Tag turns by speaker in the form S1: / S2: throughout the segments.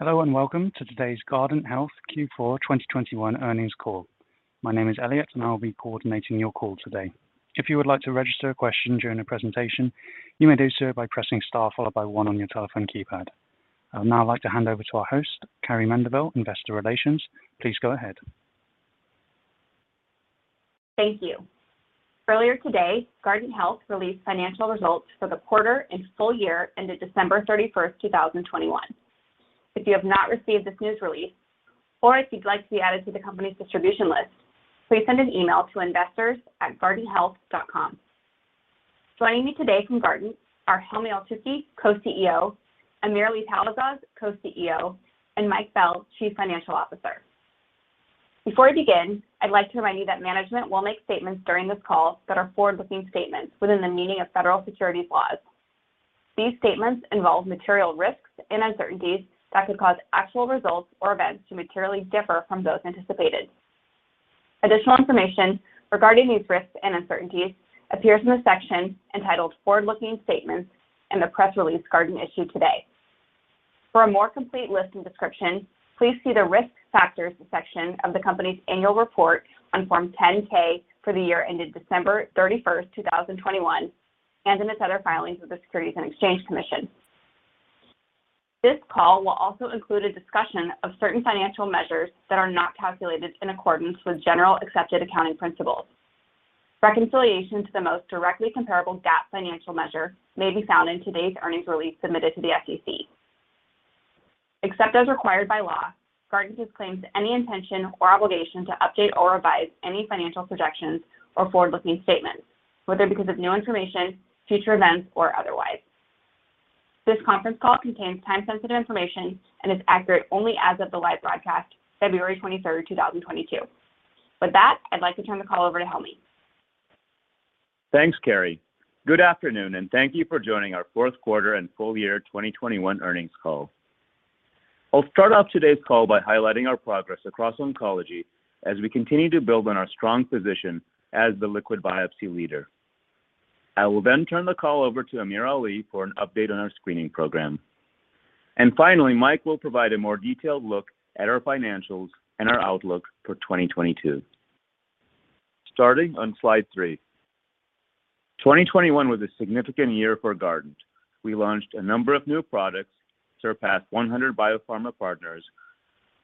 S1: Hello and welcome to today's Guardant Health Q4 2021 earnings call. My name is Elliot, and I'll be coordinating your call today. If you would like to register a question during the presentation, you may do so by pressing star followed by one on your telephone keypad. I would now like to hand over to our host, Carrie Mendivil, Investor Relations. Please go ahead.
S2: Thank you. Earlier today, Guardant Health released financial results for the quarter and full year ended December 31, 2021. If you have not received this news release or if you'd like to be added to the company's distribution list, please send an email to investors@guardanthealth.com. Joining me today from Guardant are Helmy Eltoukhy, Co-CEO, AmirAli Talasaz, Co-CEO, and Mike Bell, Chief Financial Officer. Before we begin, I'd like to remind you that management will make statements during this call that are forward-looking statements within the meaning of federal securities laws. These statements involve material risks and uncertainties that could cause actual results or events to materially differ from those anticipated. Additional information regarding these risks and uncertainties appears in the section entitled Forward-Looking Statements in the press release Guardant issued today. For a more complete list and description, please see the Risk Factors section of the company's annual report on Form 10-K for the year ended December 31, 2021, and in its other filings with the Securities and Exchange Commission. This call will also include a discussion of certain financial measures that are not calculated in accordance with generally accepted accounting principles. Reconciliation to the most directly comparable GAAP financial measure may be found in today's earnings release submitted to the SEC. Except as required by law, Guardant disclaims any intention or obligation to update or revise any financial projections or forward-looking statements, whether because of new information, future events, or otherwise. This conference call contains time-sensitive information and is accurate only as of the live broadcast, February 23, 2022. With that, I'd like to turn the call over to Helmy.
S3: Thanks, Carrie. Good afternoon, and thank you for joining our fourth quarter and full year 2021 earnings call. I'll start off today's call by highlighting our progress across oncology as we continue to build on our strong position as the liquid biopsy leader. I will then turn the call over to Amir Ali for an update on our screening program. Finally, Mike will provide a more detailed look at our financials and our outlook for 2022. Starting on slide 3, 2021 was a significant year for Guardant. We launched a number of new products, surpassed 100 biopharma partners,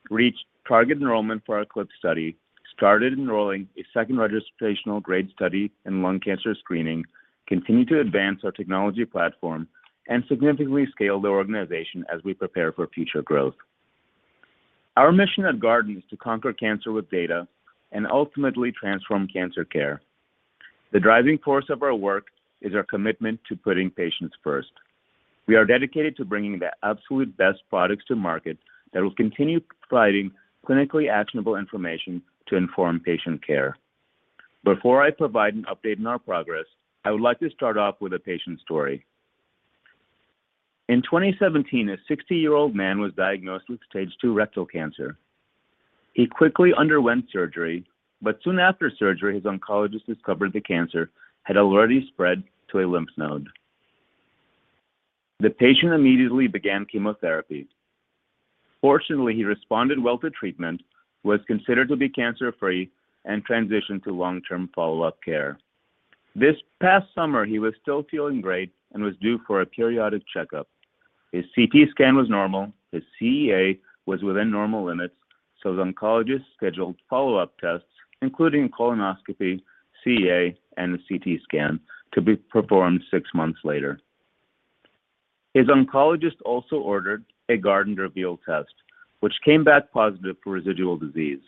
S3: reached target enrollment for our ECLIPSE study, started enrolling a second registrational grade study in lung cancer screening, continued to advance our technology platform, and significantly scaled the organization as we prepare for future growth. Our mission at Guardant is to conquer cancer with data and ultimately transform cancer care. The driving force of our work is our commitment to putting patients first. We are dedicated to bringing the absolute best products to market that will continue providing clinically actionable information to inform patient care. Before I provide an update on our progress, I would like to start off with a patient story. In 2017, a 60-year-old man was diagnosed with stage II rectal cancer. He quickly underwent surgery, but soon after surgery, his oncologist discovered the cancer had already spread to a lymph node. The patient immediately began chemotherapy. Fortunately, he responded well to treatment, was considered to be cancer-free, and transitioned to long-term follow-up care. This past summer, he was still feeling great and was due for a periodic checkup. His CT scan was normal. His CEA was within normal limits, so his oncologist scheduled follow-up tests, including colonoscopy, CEA, and a CT scan to be performed 6 months later. His oncologist also ordered a Guardant Reveal test, which came back positive for residual disease.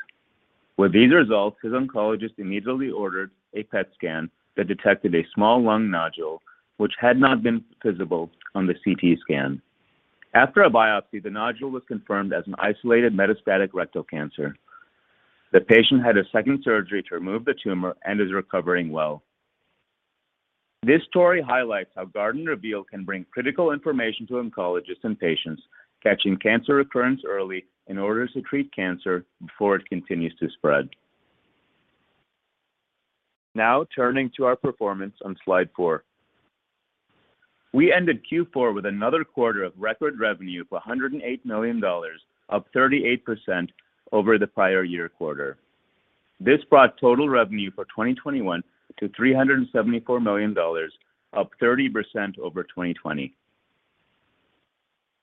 S3: With these results, his oncologist immediately ordered a PET scan that detected a small lung nodule, which had not been visible on the CT scan. After a biopsy, the nodule was confirmed as an isolated metastatic rectal cancer. The patient had a second surgery to remove the tumor and is recovering well. This story highlights how Guardant Reveal can bring critical information to oncologists and patients, catching cancer recurrence early in order to treat cancer before it continues to spread. Now, turning to our performance on slide 4. We ended Q4 with another quarter of record revenue of $108 million, up 38% over the prior year quarter. This brought total revenue for 2021 to $374 million, up 30% over 2020.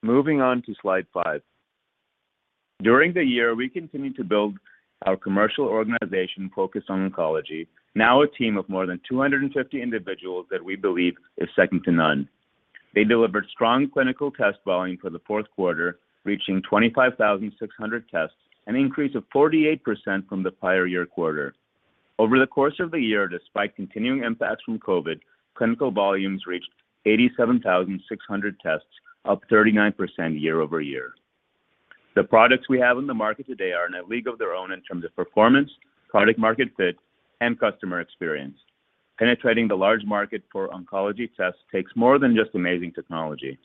S3: Moving on to slide 5. During the year, we continued to build our commercial organization focused on oncology, now a team of more than 250 individuals that we believe is second to none. They delivered strong clinical test volume for the fourth quarter, reaching 25,600 tests, an increase of 48% from the prior year quarter. Over the course of the year, despite continuing impacts from COVID, clinical volumes reached 87,600 tests, up 39% year-over-year. The products we have in the market today are in a league of their own in terms of performance, product market fit, and customer experience. Penetrating the large market for oncology tests takes more than just amazing technology.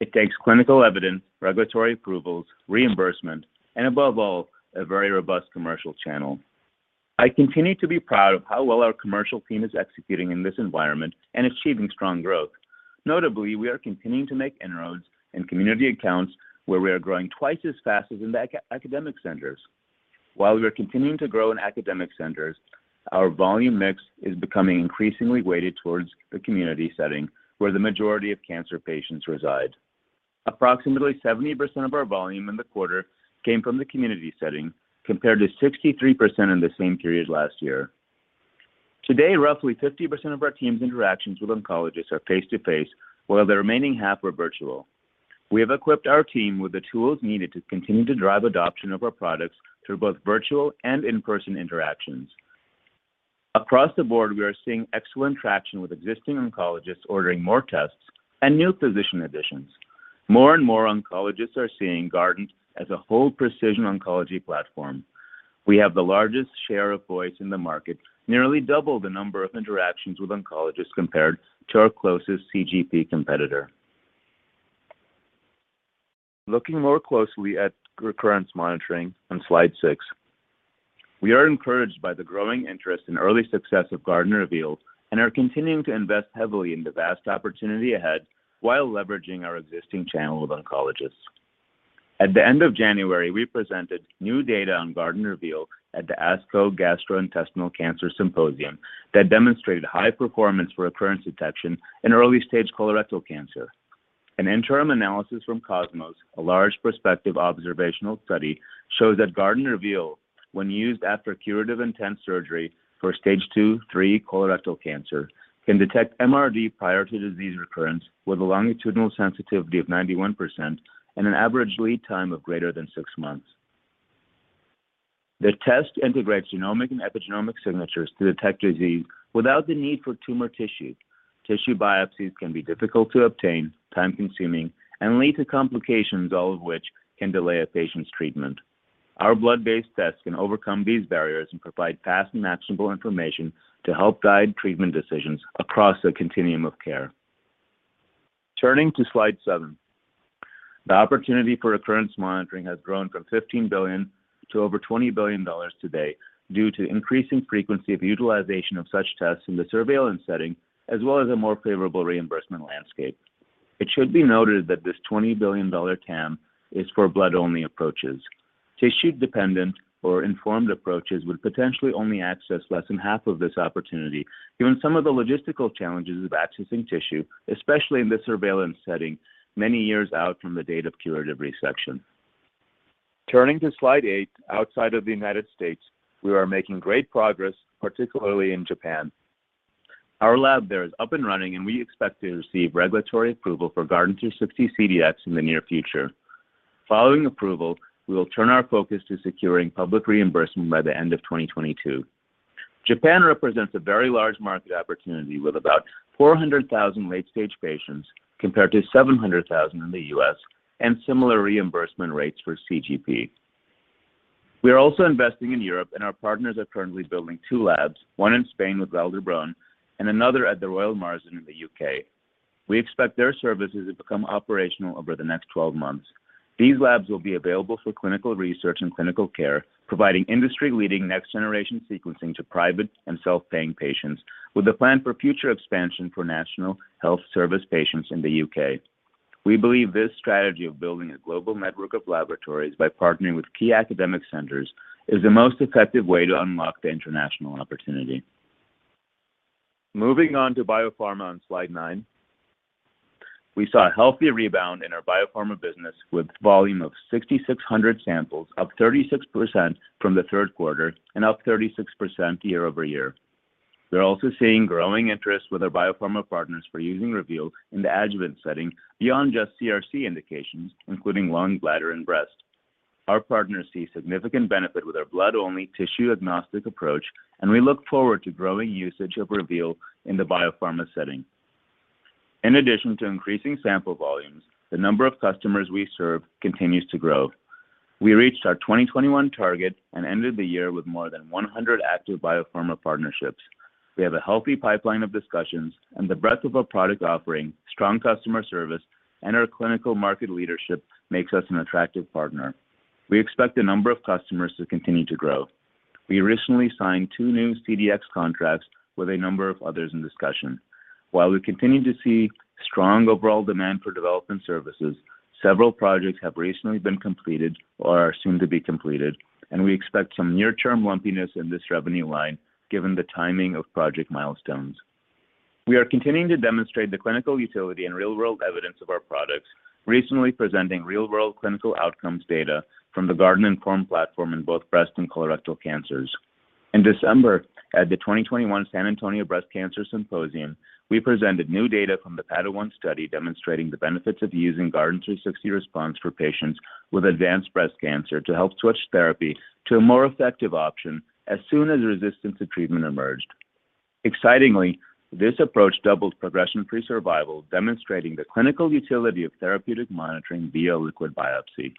S3: It takes clinical evidence, regulatory approvals, reimbursement, and above all, a very robust commercial channel. I continue to be proud of how well our commercial team is executing in this environment and achieving strong growth. Notably, we are continuing to make inroads in community accounts where we are growing twice as fast as in the academic centers. While we are continuing to grow in academic centers, our volume mix is becoming increasingly weighted towards the community setting where the majority of cancer patients reside. Approximately 70% of our volume in the quarter came from the community setting, compared to 63% in the same period last year. Today, roughly 50% of our team's interactions with oncologists are face-to-face, while the remaining half were virtual. We have equipped our team with the tools needed to continue to drive adoption of our products through both virtual and in-person interactions. Across the board, we are seeing excellent traction with existing oncologists ordering more tests and new physician additions. More and more oncologists are seeing Guardant as a whole precision oncology platform. We have the largest share of voice in the market, nearly double the number of interactions with oncologists compared to our closest CGP competitor. Looking more closely at recurrence monitoring on slide 6, we are encouraged by the growing interest and early success of Guardant Reveal and are continuing to invest heavily in the vast opportunity ahead while leveraging our existing channel of oncologists. At the end of January, we presented new data on Guardant Reveal at the ASCO Gastrointestinal Cancers Symposium that demonstrated high performance for recurrence detection in early-stage colorectal cancer. An interim analysis from COSMOS, a large prospective observational study, shows that Guardant Reveal, when used after curative-intent surgery for stage II-III colorectal cancer, can detect MRD prior to disease recurrence with a longitudinal sensitivity of 91% and an average lead time of greater than 6 months. The test integrates genomic and epigenomic signatures to detect disease without the need for tumor tissue. Tissue biopsies can be difficult to obtain, time-consuming, and lead to complications, all of which can delay a patient's treatment. Our blood-based tests can overcome these barriers and provide fast and actionable information to help guide treatment decisions across the continuum of care. Turning to slide 7, the opportunity for recurrence monitoring has grown from $15 billion to over $20 billion today due to increasing frequency of utilization of such tests in the surveillance setting, as well as a more favorable reimbursement landscape. It should be noted that this $20 billion TAM is for blood-only approaches. Tissue-dependent or informed approaches would potentially only access less than half of this opportunity, given some of the logistical challenges of accessing tissue, especially in the surveillance setting many years out from the date of curative resection. Turning to slide 8, outside of the United States, we are making great progress, particularly in Japan. Our lab there is up and running, and we expect to receive regulatory approval for Guardant360 CDx in the near future. Following approval, we will turn our focus to securing public reimbursement by the end of 2022. Japan represents a very large market opportunity with about 400,000 late-stage patients, compared to 700,000 in the U.S., and similar reimbursement rates for CGP. We are also investing in Europe, and our partners are currently building two labs, one in Spain with Vall d'Hebron and another at the Royal Marsden in the U.K. We expect their services to become operational over the next 12 months. These labs will be available for clinical research and clinical care, providing industry-leading next-generation sequencing to private and self-paying patients, with a plan for future expansion for National Health Service patients in the U.K. We believe this strategy of building a global network of laboratories by partnering with key academic centers is the most effective way to unlock the international opportunity. Moving on to biopharma on slide 9, we saw a healthy rebound in our biopharma business with volume of 6,600 samples, up 36% from the third quarter and up 36% year-over-year. We're also seeing growing interest with our biopharma partners for using Reveal in the adjuvant setting beyond just CRC indications, including lung, bladder, and breast. Our partners see significant benefit with our blood-only tissue-agnostic approach, and we look forward to growing usage of Reveal in the biopharma setting. In addition to increasing sample volumes, the number of customers we serve continues to grow. We reached our 2021 target and ended the year with more than 100 active biopharma partnerships. We have a healthy pipeline of discussions, and the breadth of our product offering, strong customer service, and our clinical market leadership makes us an attractive partner. We expect the number of customers to continue to grow. We recently signed two new CDx contracts with a number of others in discussion. While we continue to see strong overall demand for development services, several projects have recently been completed or are soon to be completed, and we expect some near-term lumpiness in this revenue line given the timing of project milestones. We are continuing to demonstrate the clinical utility and real-world evidence of our products, recently presenting real-world clinical outcomes data from the GuardantINFORM platform in both breast and colorectal cancers. In December, at the 2021 San Antonio Breast Cancer Symposium, we presented new data from the PADA-1 study demonstrating the benefits of using Guardant360 Response for patients with advanced breast cancer to help switch therapy to a more effective option as soon as resistance to treatment emerged. Excitingly, this approach doubled progression-free survival, demonstrating the clinical utility of therapeutic monitoring via liquid biopsy.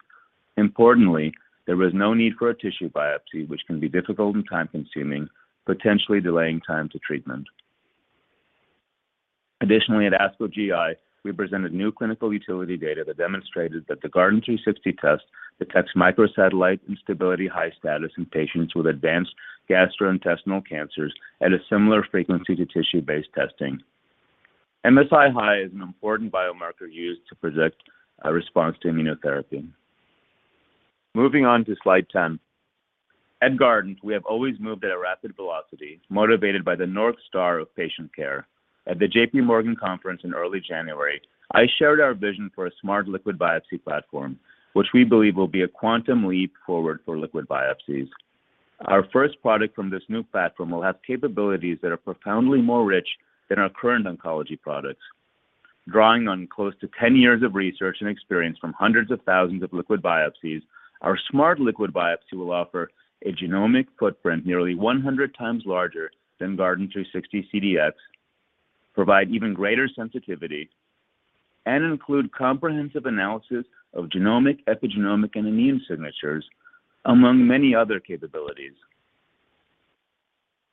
S3: Importantly, there was no need for a tissue biopsy, which can be difficult and time-consuming, potentially delaying time to treatment. Additionally, at ASCO GI, we presented new clinical utility data that demonstrated that the Guardant360 test detects microsatellite instability-high status in patients with advanced gastrointestinal cancers at a similar frequency to tissue-based testing. MSI-High is an important biomarker used to predict a response to immunotherapy. Moving on to slide 10. At Guardant, we have always moved at a rapid velocity, motivated by the North Star of patient care. At the JPMorgan conference in early January, I shared our vision for a smart liquid biopsy platform, which we believe will be a quantum leap forward for liquid biopsies. Our first product from this new platform will have capabilities that are profoundly more rich than our current oncology products. Drawing on close to 10 years of research and experience from hundreds of thousands of liquid biopsies, our smart liquid biopsy will offer a genomic footprint nearly 100x larger than Guardant360 CDx, provide even greater sensitivity, and include comprehensive analysis of genomic, epigenomic, and immune signatures, among many other capabilities.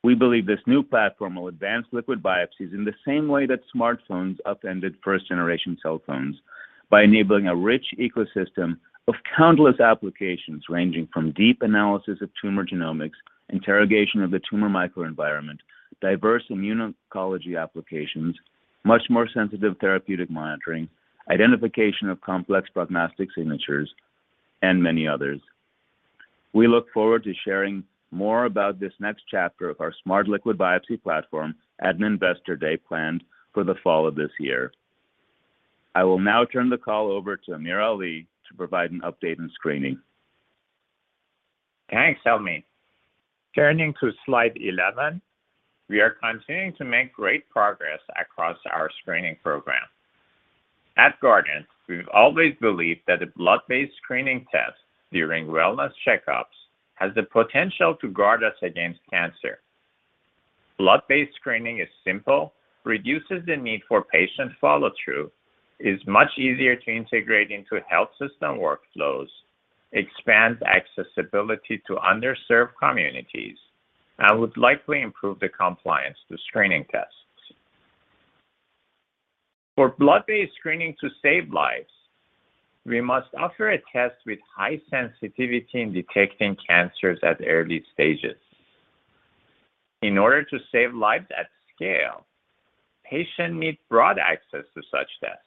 S3: We believe this new platform will advance liquid biopsies in the same way that smartphones upended first-generation cell phones by enabling a rich ecosystem of countless applications, ranging from deep analysis of tumor genomics, interrogation of the tumor microenvironment, diverse immuno-oncology applications, much more sensitive therapeutic monitoring, identification of complex prognostic signatures, and many others. We look forward to sharing more about this next chapter of our smart liquid biopsy platform at an investor day planned for the fall of this year. I will now turn the call over to AmirAli to provide an update in screening.
S4: Thanks, Helmy. Turning to slide 11, we are continuing to make great progress across our screening program. At Guardant, we've always believed that a blood-based screening test during wellness checkups has the potential to guard us against cancer. Blood-based screening is simple, reduces the need for patient follow-through, is much easier to integrate into health system workflows, expands accessibility to underserved communities, and would likely improve the compliance to screening tests. For blood-based screening to save lives, we must offer a test with high sensitivity in detecting cancers at early stages. In order to save lives at scale, patients need broad access to such tests,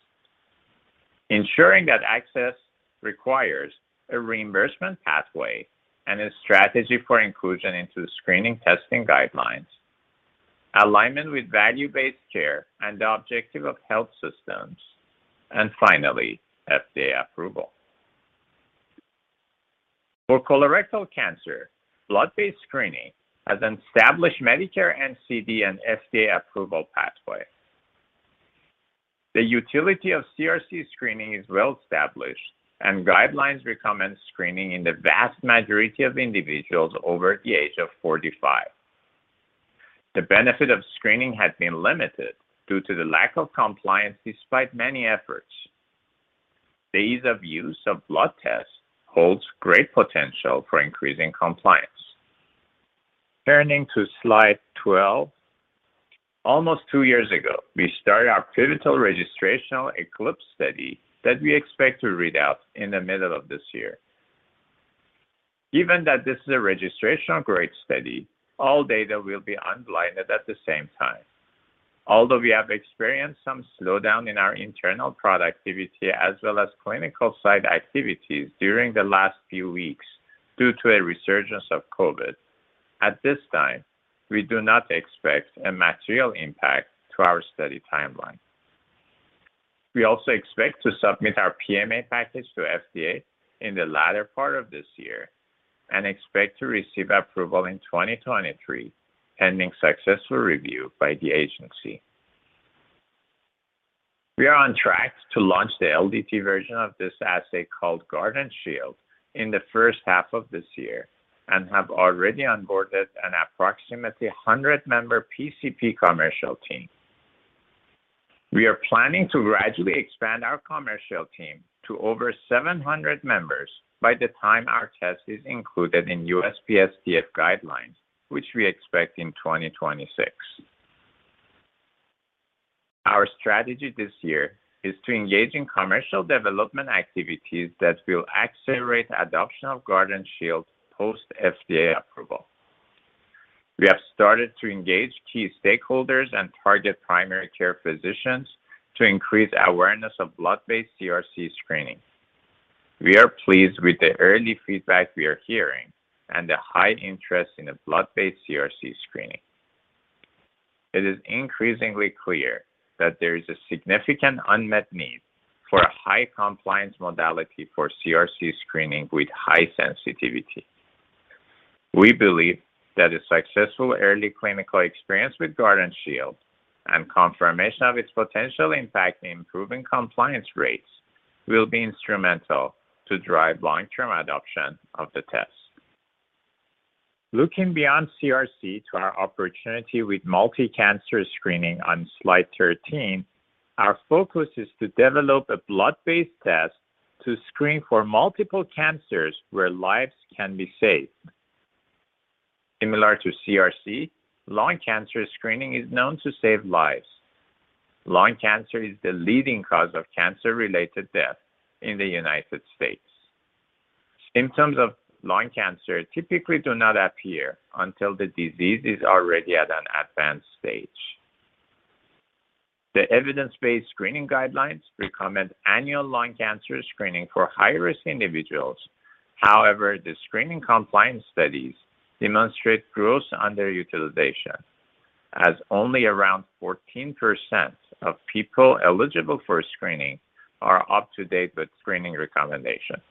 S4: ensuring that access requires a reimbursement pathway and a strategy for inclusion into the screening testing guidelines, alignment with value-based care and the objective of health systems, and finally, FDA approval. For colorectal cancer, blood-based screening has established Medicare NCD and FDA approval pathway. The utility of CRC screening is well established, and guidelines recommend screening in the vast majority of individuals over the age of 45. The benefit of screening has been limited due to the lack of compliance despite many efforts. The ease of use of blood tests holds great potential for increasing compliance. Turning to slide 12. Almost 2 years ago, we started our pivotal registrational ECLIPSE study that we expect to read out in the middle of this year. Given that this is a registrational grade study, all data will be unblinded at the same time. Although we have experienced some slowdown in our internal productivity as well as clinical site activities during the last few weeks due to a resurgence of COVID, at this time, we do not expect a material impact to our study timeline. We also expect to submit our PMA package to FDA in the latter part of this year and expect to receive approval in 2023, pending successful review by the agency. We are on track to launch the LDT version of this assay called Guardant Shield in the first half of this year and have already onboarded an approximately 100-member PCP commercial team. We are planning to gradually expand our commercial team to over 700 members by the time our test is included in USPSTF guidelines, which we expect in 2026. Our strategy this year is to engage in commercial development activities that will accelerate adoption of Guardant Shield post FDA approval. We have started to engage key stakeholders and target primary care physicians to increase awareness of blood-based CRC screening. We are pleased with the early feedback we are hearing and the high interest in a blood-based CRC screening. It is increasingly clear that there is a significant unmet need for a high compliance modality for CRC screening with high sensitivity. We believe that a successful early clinical experience with Guardant Shield and confirmation of its potential impact in improving compliance rates will be instrumental to drive long-term adoption of the test. Looking beyond CRC to our opportunity with multi-cancer screening on slide 13, our focus is to develop a blood-based test to screen for multiple cancers where lives can be saved. Similar to CRC, lung cancer screening is known to save lives. Lung cancer is the leading cause of cancer-related death in the United States. Symptoms of lung cancer typically do not appear until the disease is already at an advanced stage. The evidence-based screening guidelines recommend annual lung cancer screening for high-risk individuals. However, the screening compliance studies demonstrate gross underutilization, as only around 14% of people eligible for screening are up to date with screening recommendations.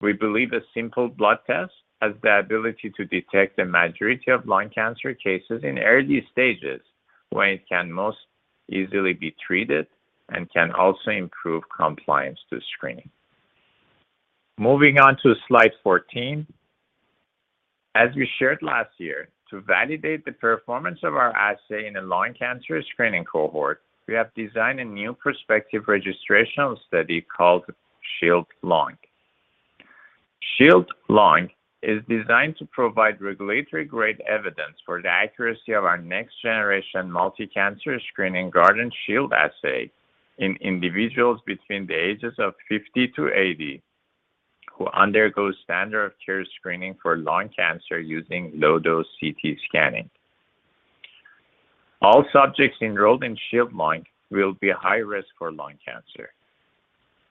S4: We believe a simple blood test has the ability to detect the majority of lung cancer cases in early stages, when it can most easily be treated and can also improve compliance to screening. Moving on to slide 14. As we shared last year, to validate the performance of our assay in a lung cancer screening cohort, we have designed a new prospective registrational study called Shield Lung. Shield Lung is designed to provide regulatory-grade evidence for the accuracy of our next-generation multi-cancer screening Guardant Shield assay in individuals between the ages of 50-80 who undergo standard of care screening for lung cancer using low-dose CT scanning. All subjects enrolled in Shield Lung will be high risk for lung cancer.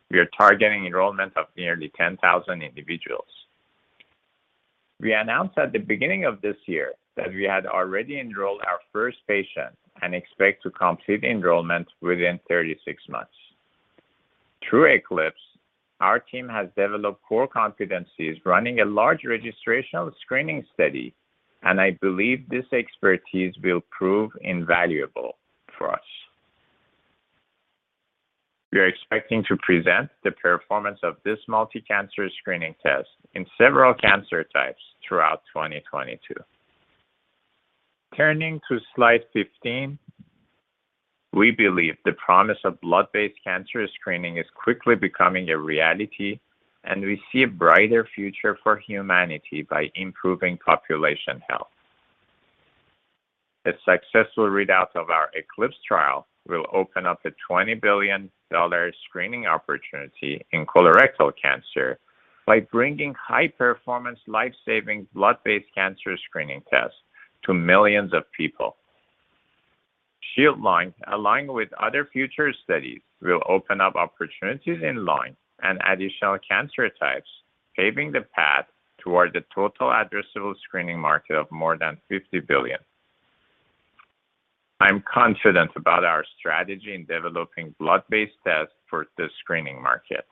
S4: We are targeting enrollment of nearly 10,000 individuals. We announced at the beginning of this year that we had already enrolled our first patient and expect to complete enrollment within 36 months. Through ECLIPSE, our team has developed core competencies running a large registrational screening study, and I believe this expertise will prove invaluable for us. We are expecting to present the performance of this multi-cancer screening test in several cancer types throughout 2022. Turning to slide 15. We believe the promise of blood-based cancer screening is quickly becoming a reality, and we see a brighter future for humanity by improving population health. A successful readout of our ECLIPSE trial will open up a $20 billion screening opportunity in colorectal cancer by bringing high performance, life-saving blood-based cancer screening tests to millions of people. Shield Lung, along with other future studies, will open up opportunities in lung and additional cancer types, paving the path toward the total addressable screening market of more than $50 billion. I'm confident about our strategy in developing blood-based tests for the screening market.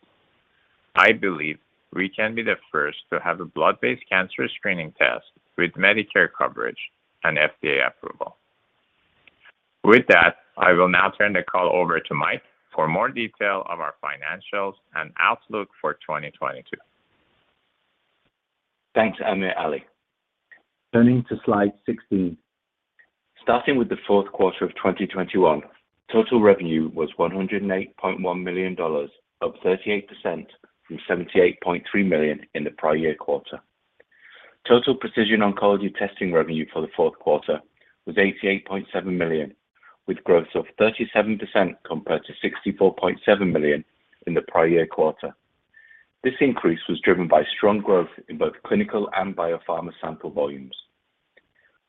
S4: I believe we can be the first to have a blood-based cancer screening test with Medicare coverage and FDA approval. With that, I will now turn the call over to Mike for more detail of our financials and outlook for 2022.
S5: Thanks, AmirAli. Turning to slide 16. Starting with the fourth quarter of 2021, total revenue was $108.1 million, up 38% from $78.3 million in the prior year quarter. Total precision oncology testing revenue for the fourth quarter was $88.7 million, with growth of 37% compared to $64.7 million in the prior year quarter. This increase was driven by strong growth in both clinical and biopharma sample volumes.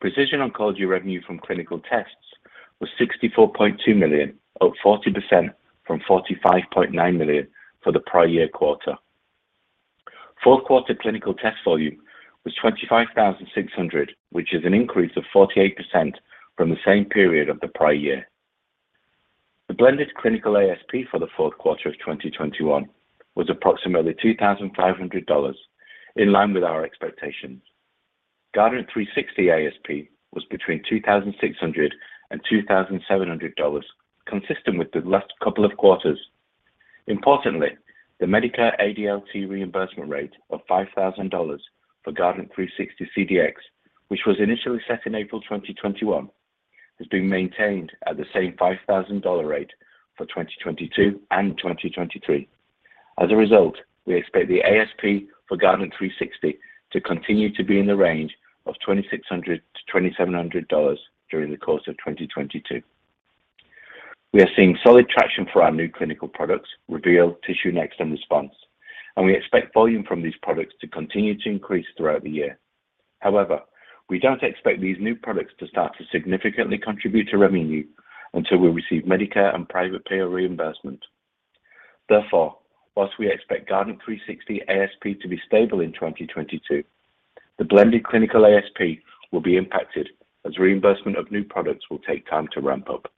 S5: Precision oncology revenue from clinical tests was $64.2 million, up 40% from $45.9 million for the prior year quarter. Fourth quarter clinical test volume was 25,600, which is an increase of 48% from the same period of the prior year. The blended clinical ASP for the fourth quarter of 2021 was approximately $2,500 in line with our expectations. Guardant360 ASP was between $2,600 and $2,700, consistent with the last couple of quarters. Importantly, the Medicare ADLT reimbursement rate of $5,000 for Guardant360 CDx, which was initially set in April 2021, has been maintained at the same $5,000 rate for 2022 and 2023. As a result, we expect the ASP for Guardant360 to continue to be in the range of $2,600-$2,700 during the course of 2022. We are seeing solid traction for our new clinical products, Reveal, TissueNext, and Response, and we expect volume from these products to continue to increase throughout the year. However, we don't expect these new products to start to significantly contribute to revenue until we receive Medicare and private payer reimbursement. Therefore, while we expect Guardant360 ASP to be stable in 2022, the blended clinical ASP will be impacted as reimbursement of new products will take time to ramp up.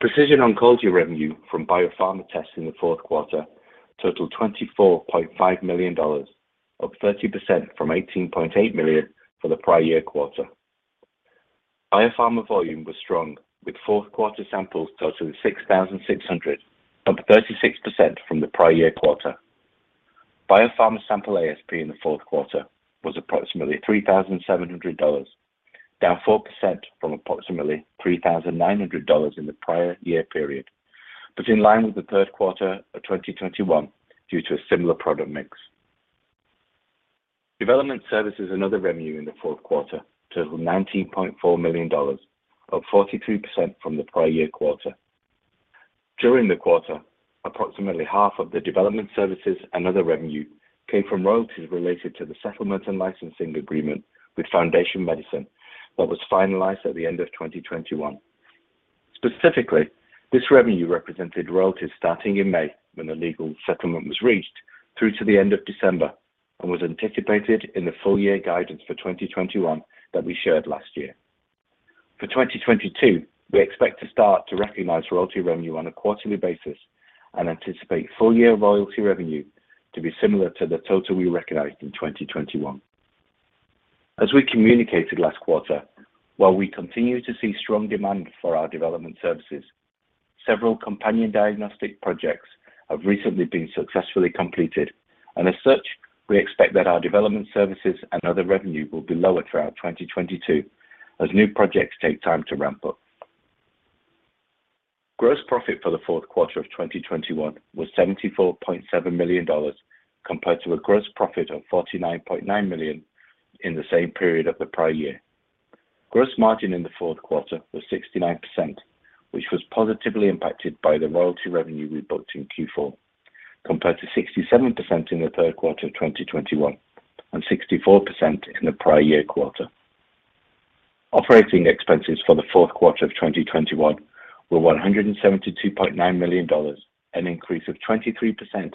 S5: Precision oncology revenue from biopharma tests in the fourth quarter totaled $24.5 million, up 30% from $18.8 million for the prior year quarter. Biopharma volume was strong, with fourth quarter samples totaling 6,600, up 36% from the prior year quarter. Biopharma sample ASP in the fourth quarter was approximately $3,700. Down 4% from approximately $3,900 in the prior year period, but in line with the third quarter of 2021 due to a similar product mix. Development services and other revenue in the fourth quarter totaled $90.4 million, up 42% from the prior year quarter. During the quarter, approximately half of the development services and other revenue came from royalties related to the settlement and licensing agreement with Foundation Medicine that was finalized at the end of 2021. Specifically, this revenue represented royalties starting in May when the legal settlement was reached through to the end of December and was anticipated in the full year guidance for 2021 that we shared last year. For 2022, we expect to start to recognize royalty revenue on a quarterly basis and anticipate full year royalty revenue to be similar to the total we recognized in 2021. As we communicated last quarter, while we continue to see strong demand for our development services, several companion diagnostic projects have recently been successfully completed, and as such, we expect that our development services and other revenue will be lower throughout 2022 as new projects take time to ramp up. Gross profit for the fourth quarter of 2021 was $74.7 million compared to a gross profit of $49.9 million in the same period of the prior year. Gross margin in the fourth quarter was 69%, which was positively impacted by the royalty revenue we booked in Q4, compared to 67% in the third quarter of 2021 and 64% in the prior year quarter. Operating expenses for the fourth quarter of 2021 were $172.9 million, an increase of 23%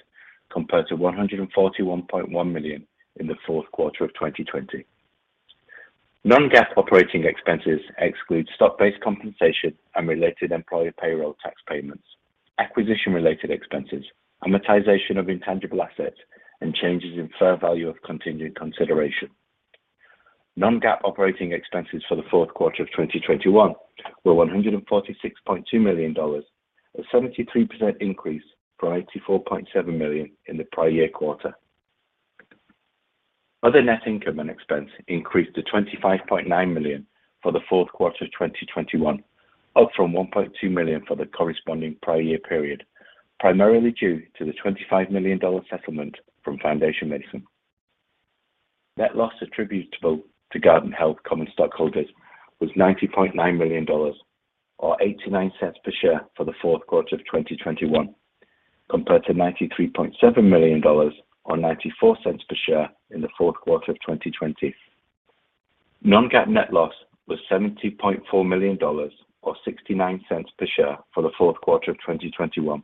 S5: compared to $141.1 million in the fourth quarter of 2020. Non-GAAP operating expenses exclude stock-based compensation and related employee payroll tax payments, acquisition related expenses, amortization of intangible assets, and changes in fair value of contingent consideration. Non-GAAP operating expenses for the fourth quarter of 2021 were $146.2 million, a 73% increase from $84.7 million in the prior year quarter. Other net income and expense increased to $25.9 million for the fourth quarter of 2021, up from $1.2 million for the corresponding prior year period, primarily due to the $25 million settlement from Foundation Medicine. Net loss attributable to Guardant Health common stockholders was $90.9 million or $0.89 per share for the fourth quarter of 2021, compared to $93.7 million or $0.94 per share in the fourth quarter of 2020. Non-GAAP net loss was $70.4 million or $0.69 per share for the fourth quarter of 2021,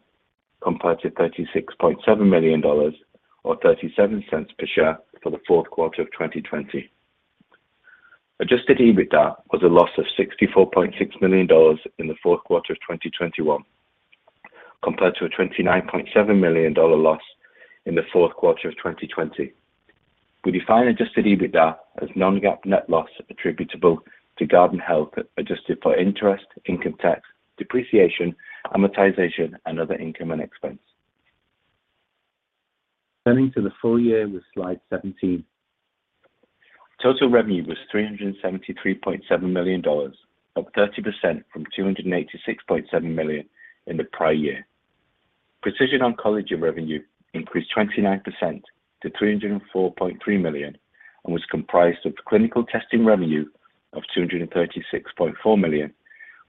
S5: compared to $36.7 million or $0.37 per share for the fourth quarter of 2020. Adjusted EBITDA was a loss of $64.6 million in the fourth quarter of 2021, compared to a $29.7 million loss in the fourth quarter of 2020. We define adjusted EBITDA as non-GAAP net loss attributable to Guardant Health, adjusted for interest, income tax, depreciation, amortization, and other income and expense. Turning to the full year with Slide 17. Total revenue was $373.7 million, up 30% from $286.7 million in the prior year. Precision Oncology revenue increased 29% to $304.3 million and was comprised of clinical testing revenue of $236.4 million,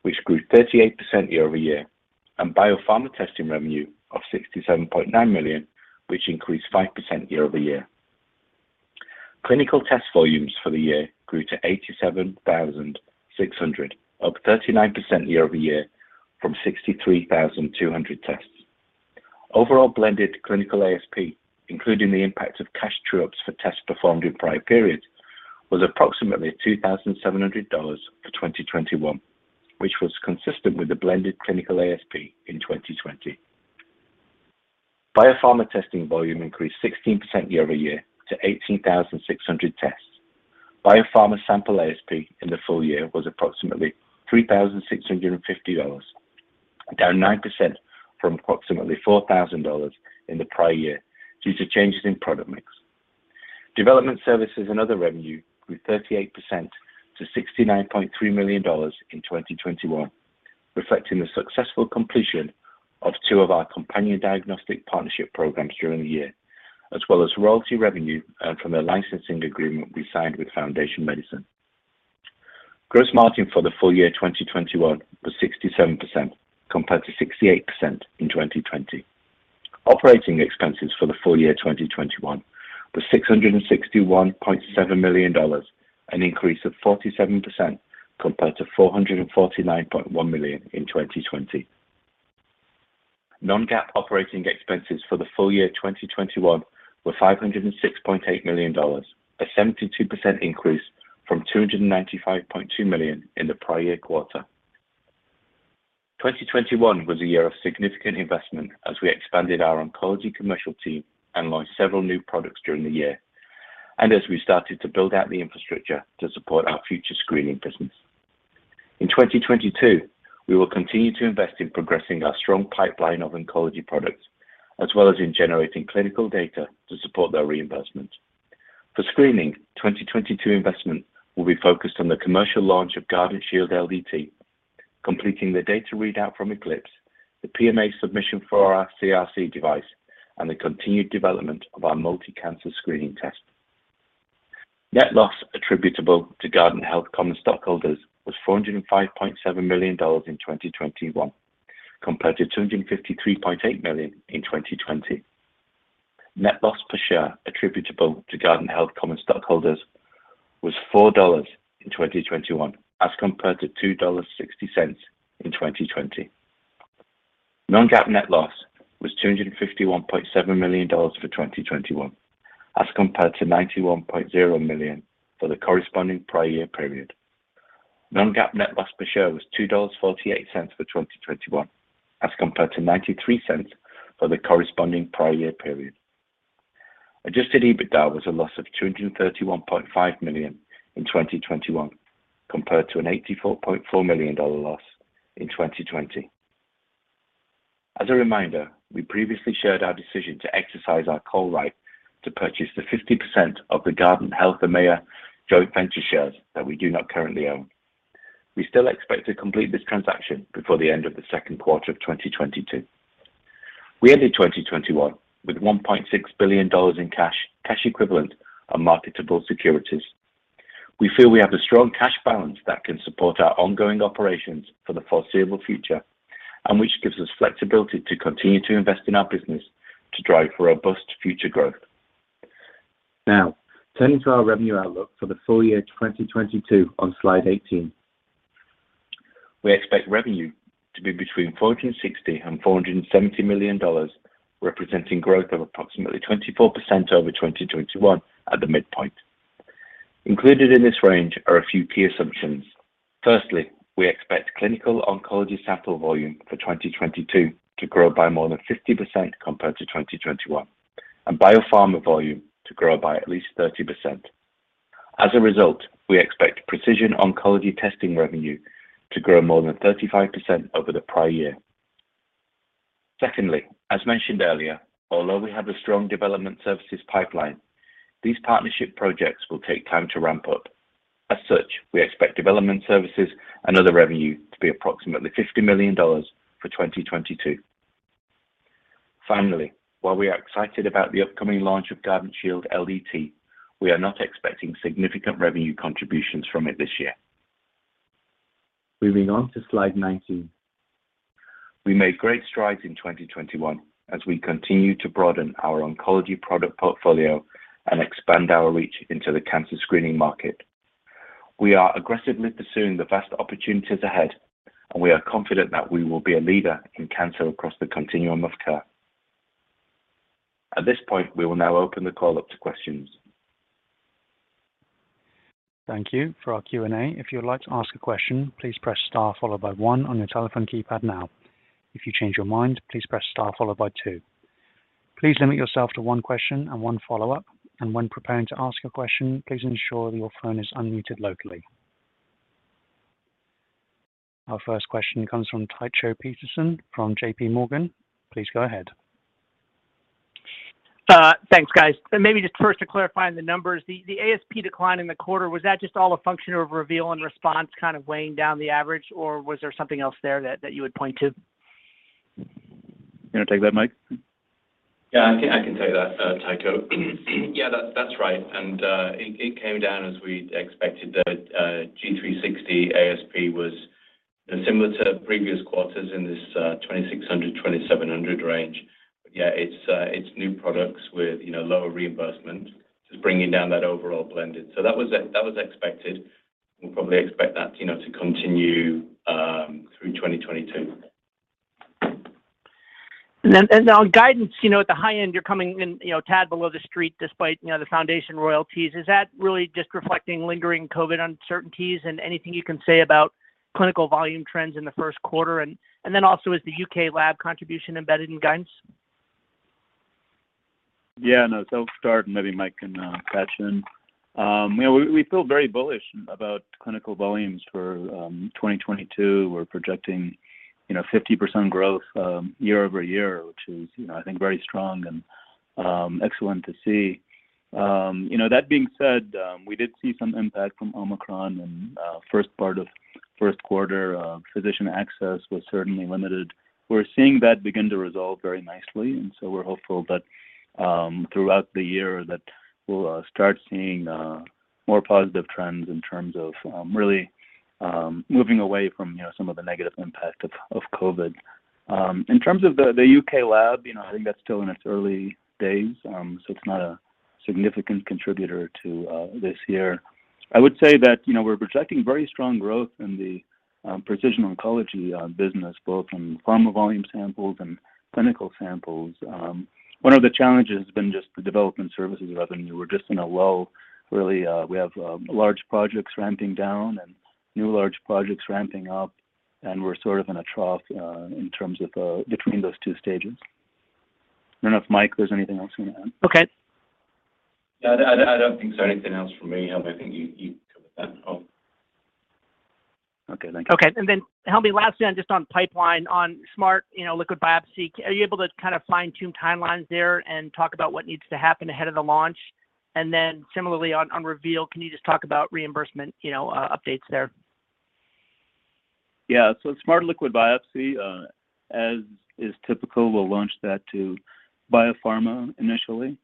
S5: which grew 38% year-over-year, and biopharma testing revenue of $67.9 million, which increased 5% year-over-year. Clinical test volumes for the year grew to 87,600, up 39% year-over-year from 63,200 tests. Overall blended clinical ASP, including the impact of cash true-ups for tests performed in prior periods, was approximately $2,700 for 2021, which was consistent with the blended clinical ASP in 2020. Biopharma testing volume increased 16% year over year to 18,600 tests. Biopharma sample ASP in the full year was approximately $3,650, down 9% from approximately $4,000 in the prior year due to changes in product mix. Development services and other revenue grew 38% to $69.3 million in 2021, reflecting the successful completion of two of our companion diagnostic partnership programs during the year, as well as royalty revenue earned from a licensing agreement we signed with Foundation Medicine. Gross margin for the full year 2021 was 67%, compared to 68% in 2020. Operating expenses for the full year 2021 was $661.7 million, an increase of 47% compared to $449.1 million in 2020. Non-GAAP operating expenses for the full year 2021 were $506.8 million, a 72% increase from $295.2 million in the prior year. 2021 was a year of significant investment as we expanded our oncology commercial team and launched several new products during the year, and as we started to build out the infrastructure to support our future screening business. In 2022, we will continue to invest in progressing our strong pipeline of oncology products, as well as in generating clinical data to support their reimbursement. For screening, 2022 investment will be focused on the commercial launch of Guardant Shield LDT, completing the data readout from ECLIPSE, the PMA submission for our CRC device, and the continued development of our multi-cancer screening test. Net loss attributable to Guardant Health common stockholders was $405.7 million in 2021, compared to $253.8 million in 2020. Net loss per share attributable to Guardant Health common stockholders was $4 in 2021, as compared to $2.60 in 2020. Non-GAAP net loss was $251.7 million for 2021, as compared to $91.0 million for the corresponding prior year period. Non-GAAP net loss per share was $2.48 for 2021, as compared to $0.93 for the corresponding prior year period. Adjusted EBITDA was a loss of $231.5 million in 2021, compared to an $84.4 million loss in 2020. As a reminder, we previously shared our decision to exercise our call right to purchase the 50% of the Guardant Health AMEA joint venture shares that we do not currently own. We still expect to complete this transaction before the end of the second quarter of 2022. We ended 2021 with $1.6 billion in cash equivalent, and marketable securities. We feel we have a strong cash balance that can support our ongoing operations for the foreseeable future and which gives us flexibility to continue to invest in our business to drive robust future growth. Now, turning to our revenue outlook for the full year 2022 on slide 18. We expect revenue to be between $460 million and $470 million, representing growth of approximately 24% over 2021 at the midpoint. Included in this range are a few key assumptions. First, we expect clinical oncology sample volume for 2022 to grow by more than 50% compared to 2021, and biopharma volume to grow by at least 30%. As a result, we expect precision oncology testing revenue to grow more than 35% over the prior year. Secondly, as mentioned earlier, although we have a strong development services pipeline, these partnership projects will take time to ramp up. As such, we expect development services and other revenue to be approximately $50 million for 2022. Finally, while we are excited about the upcoming launch of Guardant Shield LDT, we are not expecting significant revenue contributions from it this year. Moving on to slide 19. We made great strides in 2021 as we continue to broaden our oncology product portfolio and expand our reach into the cancer screening market. We are aggressively pursuing the vast opportunities ahead, and we are confident that we will be a leader in cancer across the continuum of care. At this point, we will now open the call up to questions.
S1: Thank you. For our Q&A, if you would like to ask a question, please press star followed by one on your telephone keypad now. If you change your mind, please press star followed by two. Please limit yourself to one question and one follow-up, and when preparing to ask a question, please ensure that your phone is unmuted locally. Our first question comes from Tycho Peterson from JPMorgan. Please go ahead.
S6: Thanks, guys. Maybe just first to clarify on the numbers. The ASP decline in the quarter, was that just all a function of Reveal and Response kind of weighing down the average, or was there something else there that you would point to?
S3: You want to take that, Mike?
S5: Yeah, I think I can take that, Tycho. Yeah, that's right, and it came down as we expected that Guardant360 ASP was similar to previous quarters in this $2,600-$2,700 range. Yeah, it's new products with, you know, lower reimbursement just bringing down that overall blended. That was expected. We'll probably expect that, you know, to continue through 2022.
S6: On guidance, you know, at the high end, you're coming in, you know, a tad below the street despite, you know, the foundation royalties. Is that really just reflecting lingering COVID uncertainties and anything you can say about clinical volume trends in the first quarter? Then also is the U.K. lab contribution embedded in guidance?
S3: Yeah. No, so I'll start, and maybe Mike can patch in. You know, we feel very bullish about clinical volumes for 2022. We're projecting 50% growth year over year, which is, you know, I think very strong and excellent to see. You know, that being said, we did see some impact from Omicron in the first part of first quarter. Physician access was certainly limited. We're seeing that begin to resolve very nicely, and so we're hopeful that throughout the year we'll start seeing more positive trends in terms of really moving away from some of the negative impact of COVID. In terms of the U.K. lab, you know, I think that's still in its early days. It's not a significant contributor to this year. I would say that, you know, we're projecting very strong growth in the precision oncology business, both from pharma volume samples and clinical samples. One of the challenges has been just the development services revenue. We're just in a lull, really. We have large projects ramping down and new large projects ramping up, and we're sort of in a trough in terms of between those two stages. I don't know if, Mike, there's anything else you want to add.
S6: Okay.
S5: Yeah, I don't think so. Anything else from me, Helmy. I think you covered that all.
S3: Okay, thank you.
S6: Okay. Helmy, lastly on just on pipeline, on smart liquid biopsy, are you able to kind of fine-tune timelines there and talk about what needs to happen ahead of the launch? Similarly on Reveal, can you just talk about reimbursement, you know, updates there?
S3: Yeah, smart liquid biopsy, as is typical, we'll launch that to biopharma initially.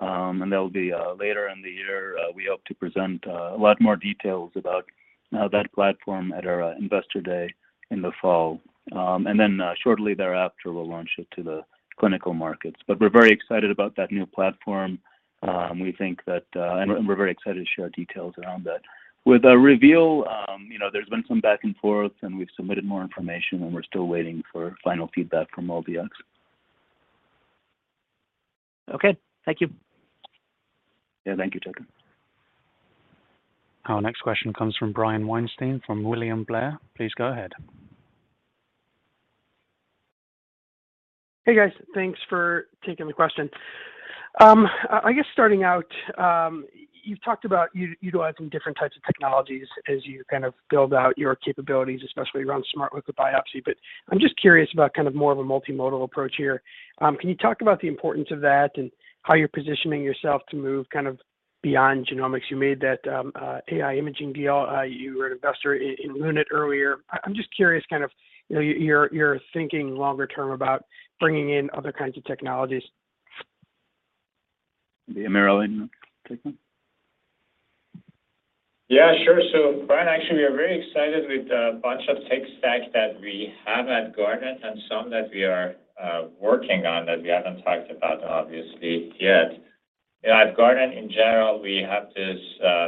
S3: That'll be later in the year. We hope to present a lot more details about that platform at our Investor Day in the fall. Shortly thereafter, we'll launch it to the clinical markets. We're very excited about that new platform. We're very excited to share details around that. With Reveal, you know, there's been some back and forth, and we've submitted more information, and we're still waiting for final feedback from MolDX.
S6: Okay. Thank you.
S3: Yeah. Thank you, Tycho.
S1: Our next question comes from Brian Weinstein from William Blair. Please go ahead.
S7: Hey, guys. Thanks for taking the question. I guess starting out, you've talked about utilizing different types of technologies as you kind of build out your capabilities, especially around smart liquid biopsy, but I'm just curious about kind of more of a multimodal approach here. Can you talk about the importance of that and how you're positioning yourself to move kind of beyond genomics? You made that AI imaging deal. You were an investor in Lunit earlier. I'm just curious kind of, you know, your thinking longer term about bringing in other kinds of technologies.
S3: Yeah. AmirAli, take that?
S4: Yeah, sure. Brian, actually we are very excited with a bunch of tech stacks that we have at Guardant and some that we are working on that we haven't talked about obviously yet. You know, at Guardant in general, we have this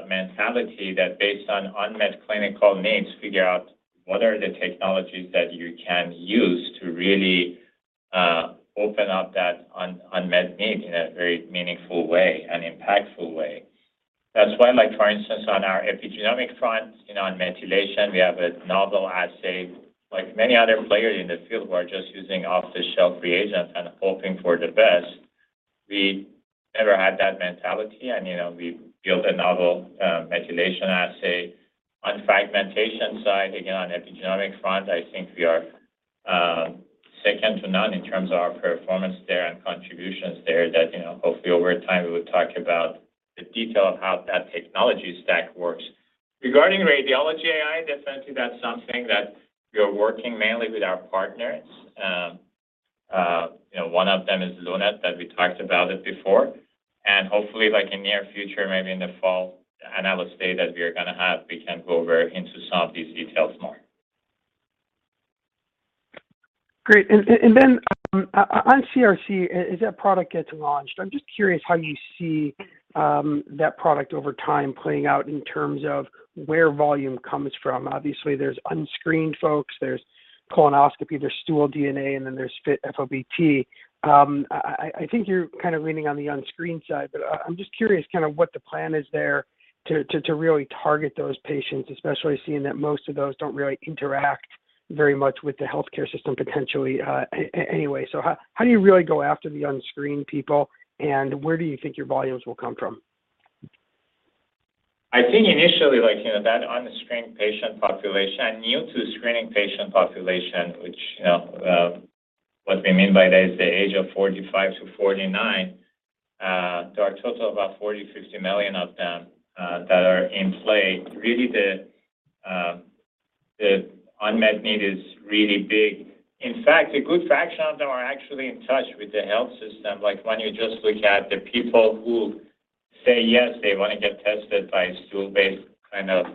S4: mentality that based on unmet clinical needs, figure out what are the technologies that you can use to really open up that unmet need in a very meaningful way and impactful way. That's why, like for instance, on our epigenomic front, you know, on methylation, we have a novel assay. Like many other players in the field who are just using off-the-shelf reagents and hoping for the best, we never had that mentality and, you know, we built a novel methylation assay. On fragmentation side, again, on epigenomic front, I think we are second to none in terms of our performance there and contributions there that, you know, hopefully over time we would talk about the detail of how that technology stack works. Regarding radiology AI, definitely that's something that we are working mainly with our partners. You know, one of them is Lunit, that we talked about it before. Hopefully like in near future, maybe in the fall, analyst day that we are gonna have, we can go very into some of these details more.
S7: Great. On CRC as that product gets launched, I'm just curious how you see that product over time playing out in terms of where volume comes from. Obviously there's unscreened folks, there's colonoscopy, there's stool DNA, and then there's FIT-FOBT. I think you're kind of leaning on the unscreened side, but I'm just curious kind of what the plan is there to really target those patients, especially seeing that most of those don't really interact very much with the healthcare system potentially anyway. How do you really go after the unscreened people, and where do you think your volumes will come from?
S4: I think initially, like, you know, that unscreened patient population, new to screening patient population, which, you know, what we mean by that is the age of 45-49, there are total of about 40 million-50 million of them, that are in play. Really the unmet need is really big. In fact, a good fraction of them are actually in touch with the health system. Like when you just look at the people who say yes, they wanna get tested by stool-based kind of,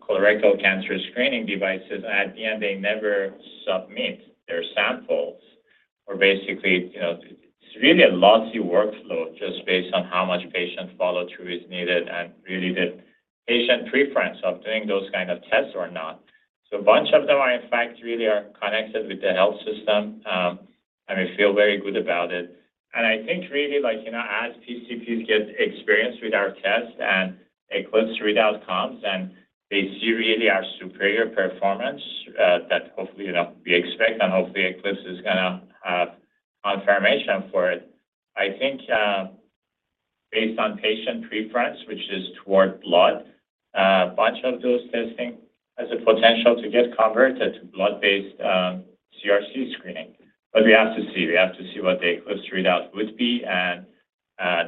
S4: colorectal cancer screening devices, at the end they never submit their samples. Or basically, you know, it's really a lossy workflow just based on how much patient follow through is needed and really the patient preference of doing those kind of tests or not. A bunch of them are in fact really connected with the health system, and we feel very good about it. I think really like, you know, as PCPs get experience with our test and ECLIPSE readout comes, and they see really our superior performance, that hopefully, you know, we expect and hopefully ECLIPSE is gonna have confirmation for it. I think, based on patient preference, which is toward blood, a bunch of those testing has a potential to get converted to blood-based, CRC screening. But we have to see. We have to see what the ECLIPSE readout would be and,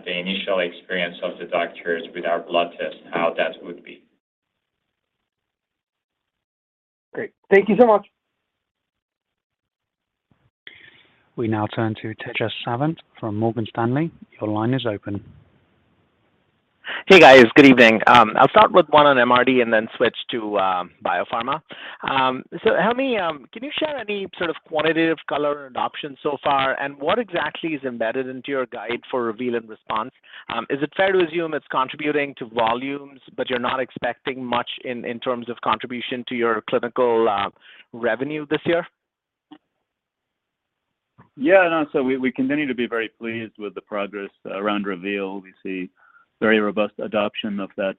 S4: the initial experience of the doctors with our blood test, how that would be.
S7: Great. Thank you so much.
S1: We now turn to Tejas Savant from Morgan Stanley. Your line is open.
S8: Hey, guys. Good evening. I'll start with one on MRD and then switch to biopharma. Helmy, can you share any sort of quantitative color on adoption so far, and what exactly is embedded into your guide for Reveal and Response? Is it fair to assume it's contributing to volumes, but you're not expecting much in terms of contribution to your clinical revenue this year?
S3: We continue to be very pleased with the progress around Reveal. We see very robust adoption of that,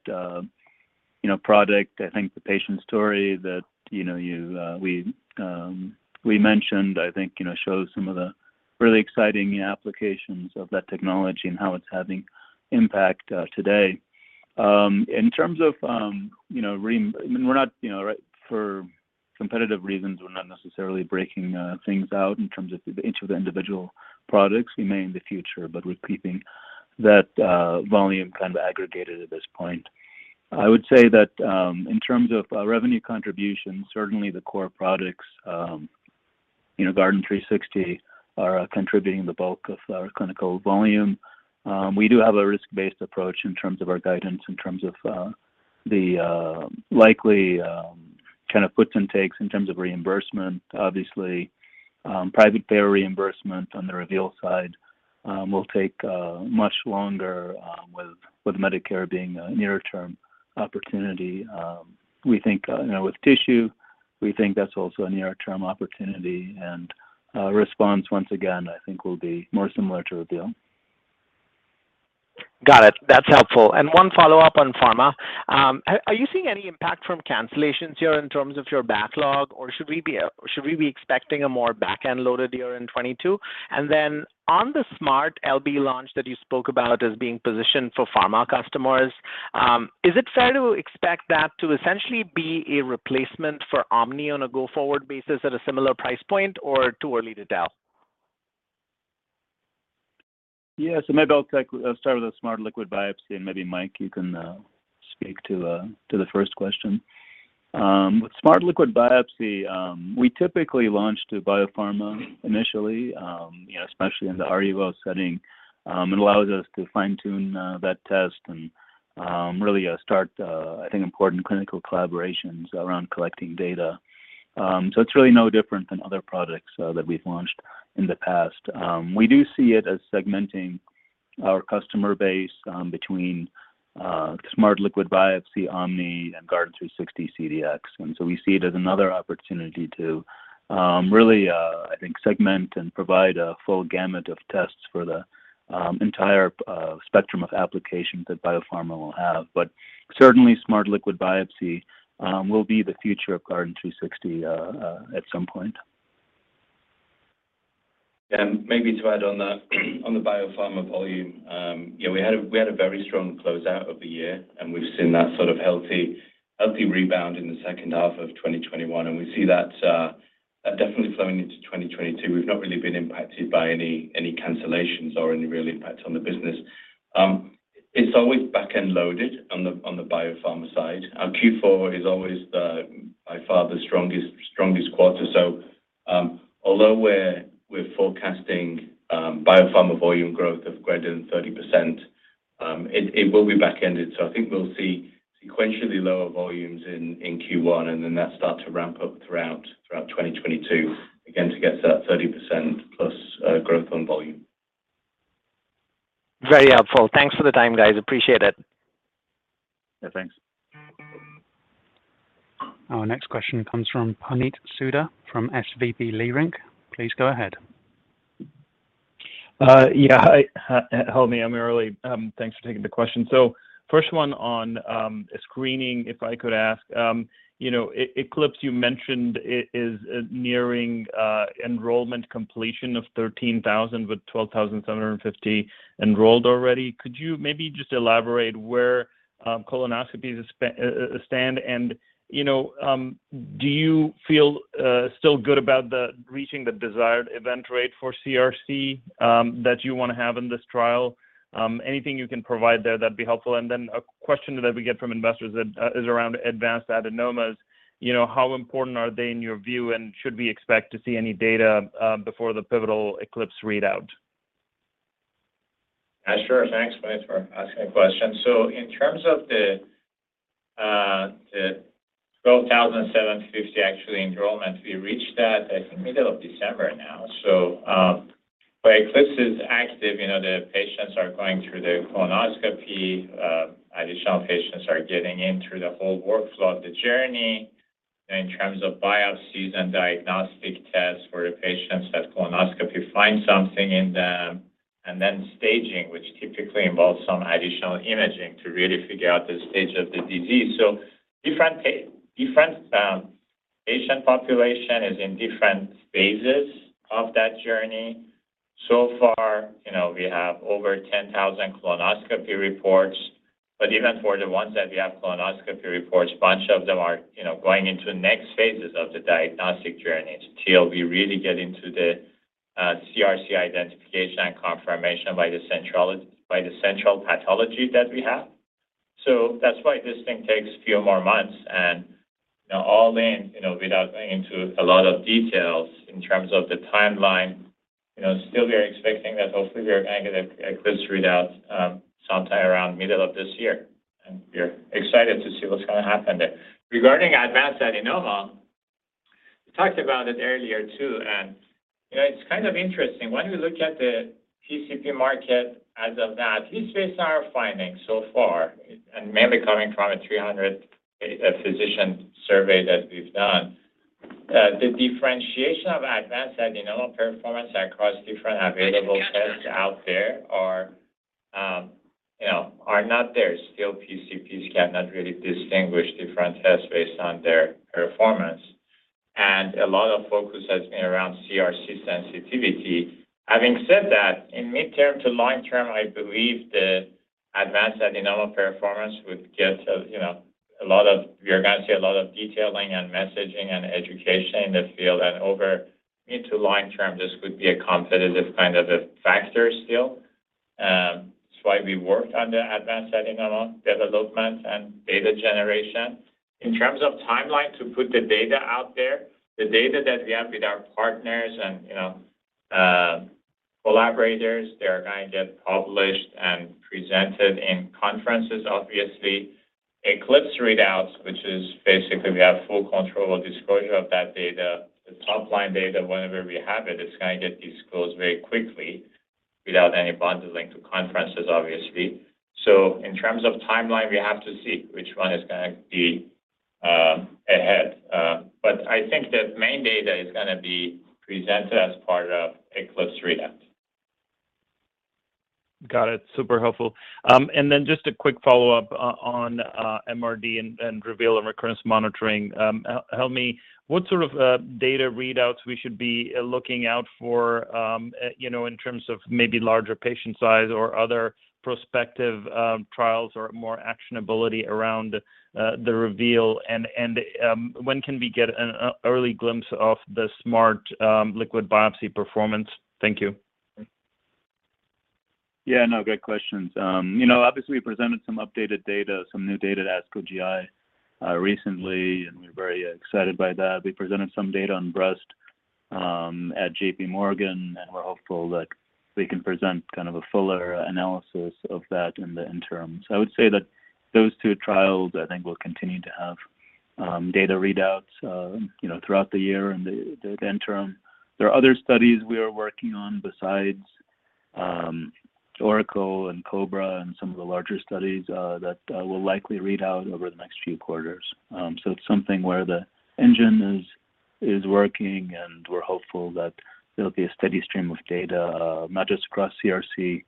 S3: you know, product. I think the patient story that, you know, we mentioned, I think, you know, shows some of the really exciting applications of that technology and how it's having impact, today. In terms of, you know, I mean, we're not, you know, right, for competitive reasons, we're not necessarily breaking, things out in terms of each of the individual products. We may in the future, but we're keeping that, volume kind of aggregated at this point. I would say that, in terms of, revenue contribution, certainly the core products, you know, Guardant360 are contributing the bulk of our clinical volume. We do have a risk-based approach in terms of our guidance, in terms of the likely kind of puts and takes in terms of reimbursement. Obviously, private payer reimbursement on the Reveal side will take much longer, with Medicare being a nearer-term opportunity. We think, you know, with tissue, we think that's also a nearer-term opportunity and response once again, I think will be more similar to Reveal.
S8: Got it. That's helpful. One follow-up on pharma. Are you seeing any impact from cancellations here in terms of your backlog, or should we be expecting a more back-end loaded year in 2022? Then on the smart LB launch that you spoke about as being positioned for pharma customers, is it fair to expect that to essentially be a replacement for GuardantOMNI on a go-forward basis at a similar price point or too early to tell?
S3: Yeah. Maybe I'll start with the smart liquid biopsy and maybe Mike, you can speak to the first question. Smart liquid biopsy, we typically launched a biopharma initially, especially in the RUO setting. It allows us to fine-tune that test and really start I think important clinical collaborations around collecting data. It's really no different than other products that we've launched in the past. We do see it as segmenting our customer base between smart liquid biopsy, Omni and Guardant360 CDx. We see it as another opportunity to really segment and provide a full gamut of tests for the entire spectrum of applications that biopharma will have. Certainly smart liquid biopsy will be the future of Guardant360 at some point.
S5: Maybe to add on that on the biopharma volume, you know, we had a very strong closeout of the year, and we've seen that sort of healthy rebound in the second half of 2021, and we see that definitely flowing into 2022. We've not really been impacted by any cancellations or any real impact on the business. It's always back-end loaded on the biopharma side. Our Q4 is always by far the strongest quarter. Although we're forecasting biopharma volume growth of greater than 30%, it will be back-ended. I think we'll see sequentially lower volumes in Q1, and then that start to ramp up throughout 2022, again, to get to that 30%+ growth on volume.
S8: Very helpful. Thanks for the time, guys. Appreciate it.
S5: Yeah, thanks.
S1: Our next question comes from Puneet Souda from SVB Leerink. Please go ahead.
S9: Hi, Helmy. I'm early. Thanks for taking the question. First one on screening, if I could ask. You know, ECLIPSE you mentioned is nearing enrollment completion of 13,000, with 12,750 enrolled already. Could you maybe just elaborate where colonoscopies stand and, you know, do you feel still good about reaching the desired event rate for CRC that you wanna have in this trial? Anything you can provide there, that'd be helpful. A question that we get from investors that is around advanced adenomas. You know, how important are they in your view, and should we expect to see any data before the pivotal ECLIPSE readout?
S3: Sure. Thanks, mate, for asking a question. In terms of the 12,750 actual enrollment, we reached that, I think, middle of December now. ECLIPSE is active. You know, the patients are going through the colonoscopy. Additional patients are getting in through the whole workflow of the journey in terms of biopsies and diagnostic tests for the patients that colonoscopy find something in them, and then staging, which typically involves some additional imaging to really figure out the stage of the disease. Different patient population is in different phases of that journey. So far, you know, we have over 10,000 colonoscopy reports, but even for the ones that we have colonoscopy reports, bunch of them are, you know, going into next phases of the diagnostic journey till we really get into the CRC identification and confirmation by the central pathology that we have. That's why this thing takes few more months. You know, all in, without going into a lot of details in terms of the timeline, you know, still we are expecting that hopefully we are gonna get a quick readout sometime around middle of this year. We're excited to see what's gonna happen there. Regarding advanced adenoma, we talked about it earlier too, and, you know, it's kind of interesting. When we look at the PCP market as of that, at least based on our findings so far, and mainly coming from a 300-physician survey that we've done. The differentiation of advanced adenoma performance across different available tests out there are, you know, not there. Still, PCPs cannot really distinguish different tests based on their performance. A lot of focus has been around CRC sensitivity. Having said that, in mid-term to long-term, I believe the advanced adenoma performance would get a, you know, a lot of. We're gonna see a lot of detailing and messaging and education in the field. Over mid to long-term, this could be a competitive kind of a factor still. That's why we worked on the advanced adenoma development and data generation. In terms of timeline to put the data out there, the data that we have with our partners and, you know, collaborators, they're gonna get published and presented in conferences obviously. ECLIPSE readouts, which is basically we have full control of disclosure of that data, the top-line data, whenever we have it's gonna get disclosed very quickly without any bundling to conferences, obviously. In terms of timeline, we have to see which one is gonna be ahead. I think the main data is gonna be presented as part of ECLIPSE readout.
S9: Got it. Super helpful. Just a quick follow-up on MRD and Reveal and recurrence monitoring. Help me, what sort of data readouts we should be looking out for, you know, in terms of maybe larger patient size or other prospective trials or more actionability around the Reveal? When can we get an early glimpse of the smart liquid biopsy performance? Thank you.
S3: Yeah. No, great questions. You know, obviously, we presented some updated data, some new data at ASCO GI recently, and we're very excited by that. We presented some data on breast at JPMorgan, and we're hopeful that we can present kind of a fuller analysis of that in the interim. I would say that those two trials, I think, will continue to have data readouts, you know, throughout the year in the interim. There are other studies we are working on besides ORACLE and COBRA and some of the larger studies that will likely read out over the next few quarters. It's something where the engine is working, and we're hopeful that there'll be a steady stream of data, not just across CRC,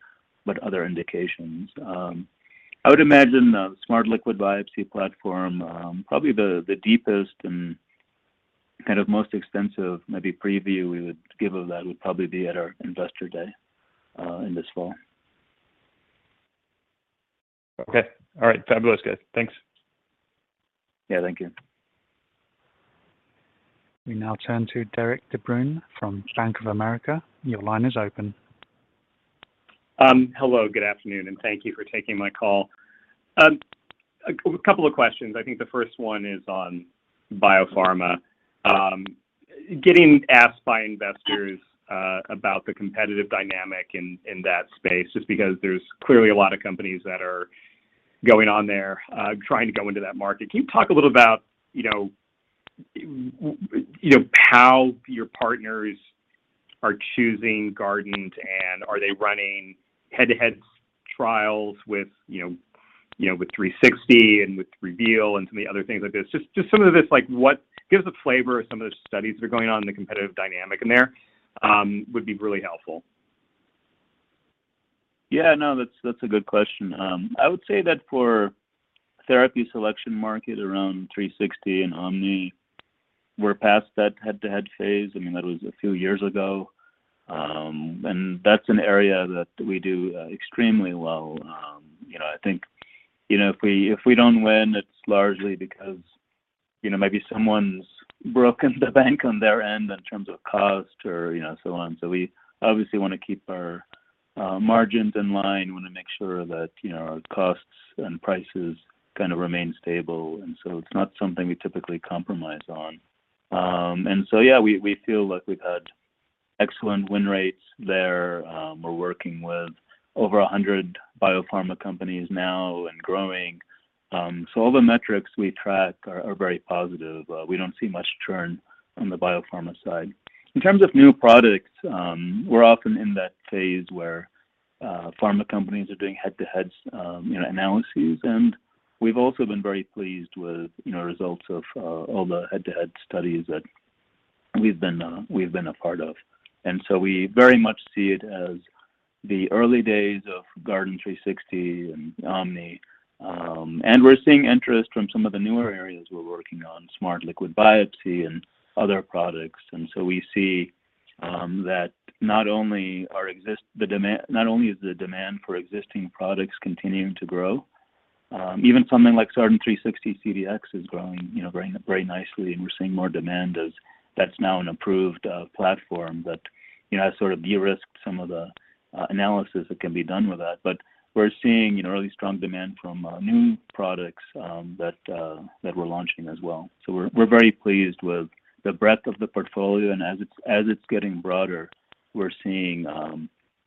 S3: but other indications. I would imagine the smart liquid biopsy platform, probably the deepest and kind of most extensive maybe preview we would give of that would probably be at our Investor Day in this fall.
S9: Okay. All right. Fabulous, guys. Thanks.
S3: Yeah. Thank you.
S1: We now turn to Derik De Bruin from Bank of America. Your line is open.
S10: Hello. Good afternoon, and thank you for taking my call. A couple of questions. I think the first one is on biopharma. I'm getting asked by investors about the competitive dynamic in that space, just because there's clearly a lot of companies that are going on there trying to go into that market. Can you talk a little about, you know, you know, how your partners are choosing Guardant and are they running head-to-head trials with, you know, with 360 and with Reveal and some of the other things like this? Just some of this, like what gives a flavor of some of the studies that are going on in the competitive dynamic in there would be really helpful.
S3: Yeah. No, that's a good question. I would say that for therapy selection market around 360 and Omni, we're past that head-to-head phase. I mean, that was a few years ago. That's an area that we do extremely well. You know, I think, you know, if we don't win, it's largely because, you know, maybe someone's broken the bank on their end in terms of cost or, you know, so on. We obviously wanna keep our margins in line, wanna make sure that, you know, our costs and prices kind of remain stable. It's not something we typically compromise on. Yeah, we feel like we've had excellent win rates there. We're working with over 100 biopharma companies now and growing. All the metrics we track are very positive. We don't see much churn on the biopharma side. In terms of new products, we're often in that phase where pharma companies are doing head-to-heads, you know, analyses. We've also been very pleased with you know results of all the head-to-head studies that we've been a part of. We very much see it as the early days of Guardant360 and Omni. We're seeing interest from some of the newer areas we're working on, smart liquid biopsy and other products. We see that not only is the demand for existing products continuing to grow, even something like Guardant360 CDx is growing, you know, growing very nicely, and we're seeing more demand as that's now an approved platform that, you know, has sort of de-risked some of the analysis that can be done with that. We're seeing, you know, really strong demand from new products that we're launching as well. We're very pleased with the breadth of the portfolio, and as it's getting broader, we're seeing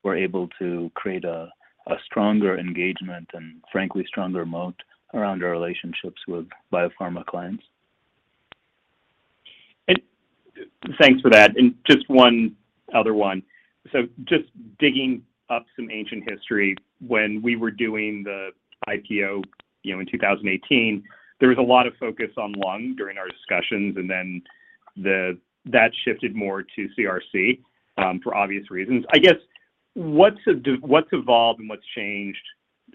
S3: we're able to create a stronger engagement and frankly stronger moat around our relationships with biopharma clients.
S10: Thanks for that. Just one other one. Just digging up some ancient history. When we were doing the IPO, you know, in 2018, there was a lot of focus on lung during our discussions, and then that shifted more to CRC for obvious reasons. I guess, what's evolved and what's changed,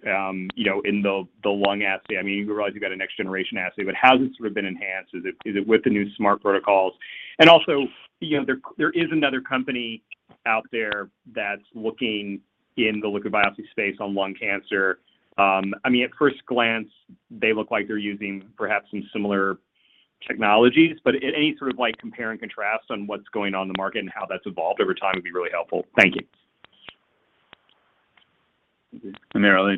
S10: you know, in the lung assay? I mean, you guys, you've got a next-generation assay, but how has it sort of been enhanced? Is it with the new smart protocols? Also, you know, there is another company out there that's looking in the liquid biopsy space on lung cancer. I mean, at first glance, they look like they're using perhaps some similar technologies. Any sort of, like, compare and contrast on what's going on in the market and how that's evolved over time would be really helpful. Thank you.
S3: Amir?
S4: Yeah.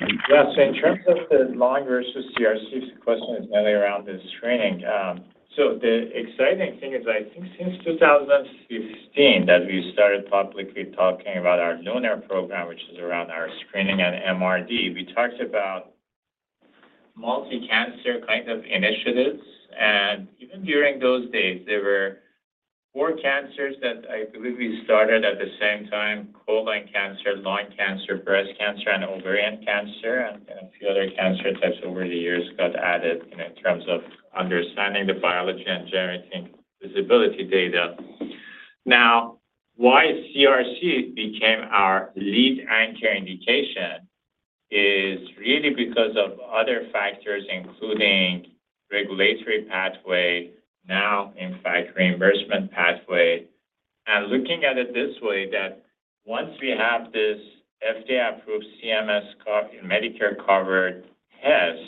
S4: In terms of the lung versus CRC, the question is mainly around the screening. The exciting thing is, I think since 2015, that we started publicly talking about our LUNAR program, which is around our screening and MRD. We talked about multi-cancer kind of initiatives. Even during those days, there were four cancers that I believe we started at the same time, colon cancer, lung cancer, breast cancer, and ovarian cancer, and a few other cancer types over the years got added in terms of understanding the biology and generating visibility data. Now, why CRC became our lead anchor indication is really because of other factors, including regulatory pathway, now in fact reimbursement pathway. Looking at it this way, that once we have this FDA-approved Medicare-covered test,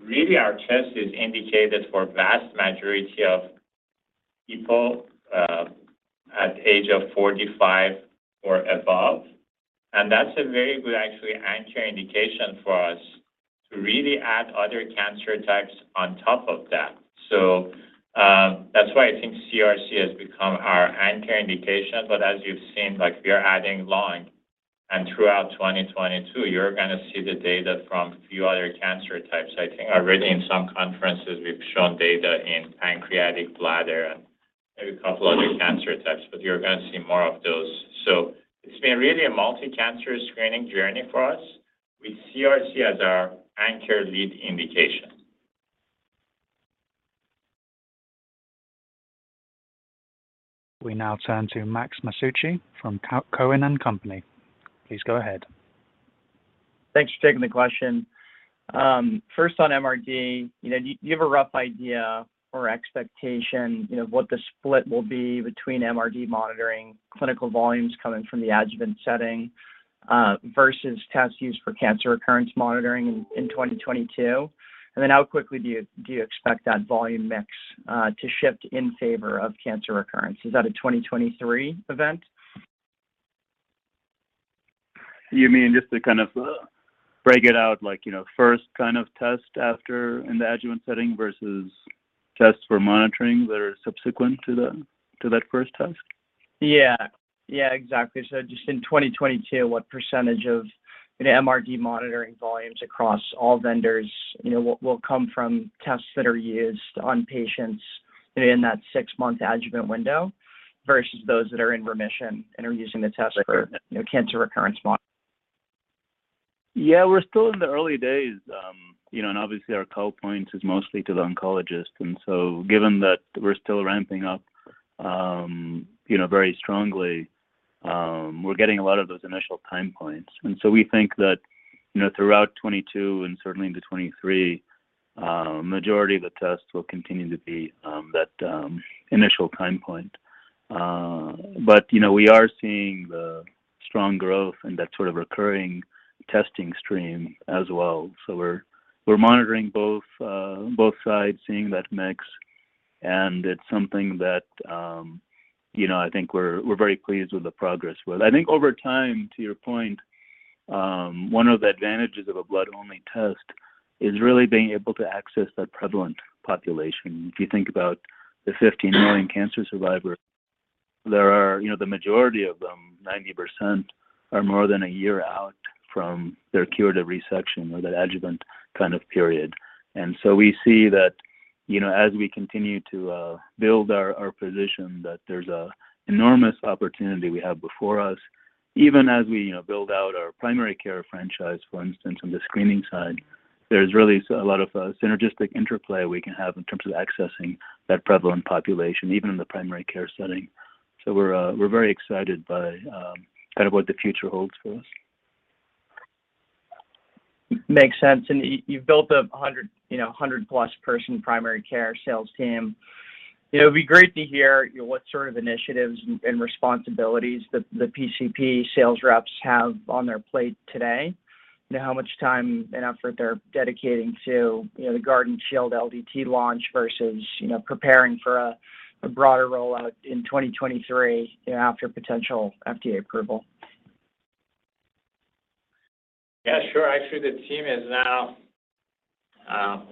S4: really our test is indicated for vast majority of people at age 45 or above. That's a very good actually anchor indication for us to really add other cancer types on top of that. That's why I think CRC has become our anchor indication. As you've seen, like, we are adding lung, and throughout 2022, you're gonna see the data from a few other cancer types. I think already in some conferences we've shown data in pancreatic, bladder, and maybe a couple other cancer types, but you're gonna see more of those. It's been really a multi-cancer screening journey for us with CRC as our anchor lead indication.
S1: We now turn to Max Masucci from Cowen and Company. Please go ahead.
S11: Thanks for taking the question. First on MRD, you know, do you have a rough idea or expectation, you know, of what the split will be between MRD monitoring clinical volumes coming from the adjuvant setting, versus tests used for cancer recurrence monitoring in 2022? How quickly do you expect that volume mix to shift in favor of cancer recurrence? Is that a 2023 event?
S3: You mean just to kind of break it out, like, you know, first kind of test after in the adjuvant setting versus tests for monitoring that are subsequent to that first test?
S11: Yeah. Yeah, exactly. Just in 2022, what percentage of an MRD monitoring volumes across all vendors, you know, will come from tests that are used on patients in that 6-month adjuvant window versus those that are in remission and are using the test for, you know, cancer recurrence monitoring?
S3: Yeah. We're still in the early days, you know, and obviously our call points is mostly to the oncologist. Given that we're still ramping up, you know, very strongly, we're getting a lot of those initial time points. We think that, you know, throughout 2022 and certainly into 2023, majority of the tests will continue to be that initial time point. You know, we are seeing the strong growth in that sort of recurring testing stream as well. We're monitoring both sides, seeing that mix, and it's something that, you know, I think we're very pleased with the progress with. I think over time, to your point, one of the advantages of a blood-only test is really being able to access that prevalent population. If you think about the 15 million cancer survivors, there are, you know, the majority of them, 90% are more than a year out from their curative resection or that adjuvant kind of period. We see that, you know, as we continue to build our position, that there's an enormous opportunity we have before us. Even as we build out our primary care franchise, for instance, on the screening side, there's really a lot of synergistic interplay we can have in terms of accessing that prevalent population, even in the primary care setting. We're very excited by kind of what the future holds for us.
S11: Makes sense. You've built a 100, you know, 100+ person primary care sales team. It would be great to hear what sort of initiatives and responsibilities the PCP sales reps have on their plate today, you know, how much time and effort they're dedicating to, you know, the Guardant Shield LDT launch versus, you know, preparing for a broader rollout in 2023, after potential FDA approval.
S4: Yeah, sure. Actually, the team is now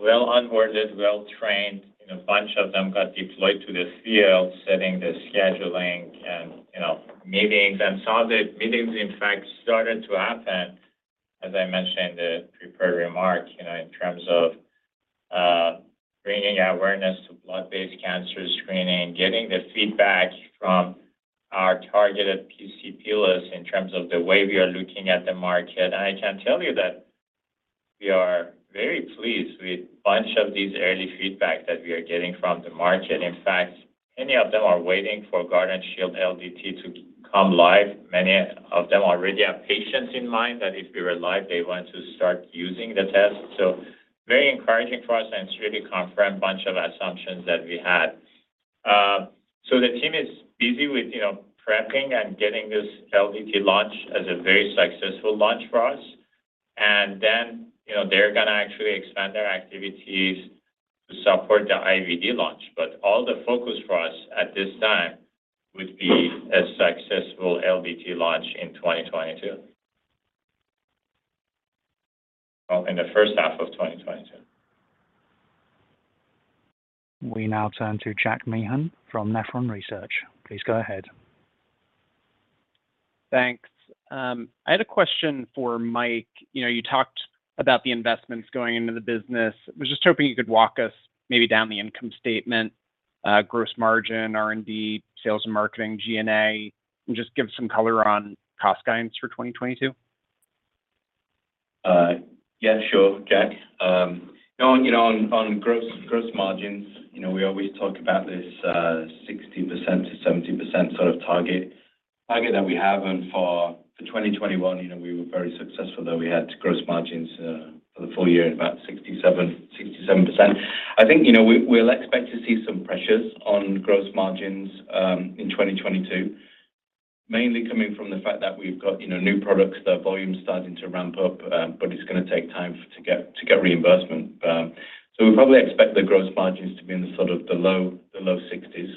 S4: well onboarded, well-trained, and a bunch of them got deployed to the field, setting the scheduling and, you know, meetings. Some of the meetings, in fact, started to happen. As I mentioned in the prepared remarks, you know, in terms of bringing awareness to blood-based cancer screening, getting the feedback from our targeted PCP list in terms of the way we are looking at the market. I can tell you that we are very pleased with a bunch of these early feedback that we are getting from the market. In fact, many of them are waiting for Guardant Shield LDT to come live. Many of them already have patients in mind that if we were live, they want to start using the test. Very encouraging for us and it's really confirmed a bunch of assumptions that we had. The team is busy with, you know, prepping and getting this LDT launch as a very successful launch for us. You know, they're gonna actually expand their activities to support the IVD launch. All the focus for us at this time would be a successful LDT launch in 2022. Well, in the first half of 2022.
S1: We now turn to Jack Meehan from Nephron Research. Please go ahead.
S12: Thanks. I had a question for Mike. You know, you talked about the investments going into the business. I was just hoping you could walk us maybe down the income statement, gross margin, R&D, sales and marketing, G&A, and just give some color on cost guidance for 2022.
S5: Yeah, sure, Jack. On gross margins, you know, we always talk about this 60%-70% sort of target that we have. For 2021, you know, we were very successful, though we had gross margins for the full year at about 67%. I think, you know, we'll expect to see some pressures on gross margins in 2022, mainly coming from the fact that we've got, you know, new products, the volume's starting to ramp up, but it's gonna take time to get reimbursement. So we probably expect the gross margins to be in the sort of the low 60s.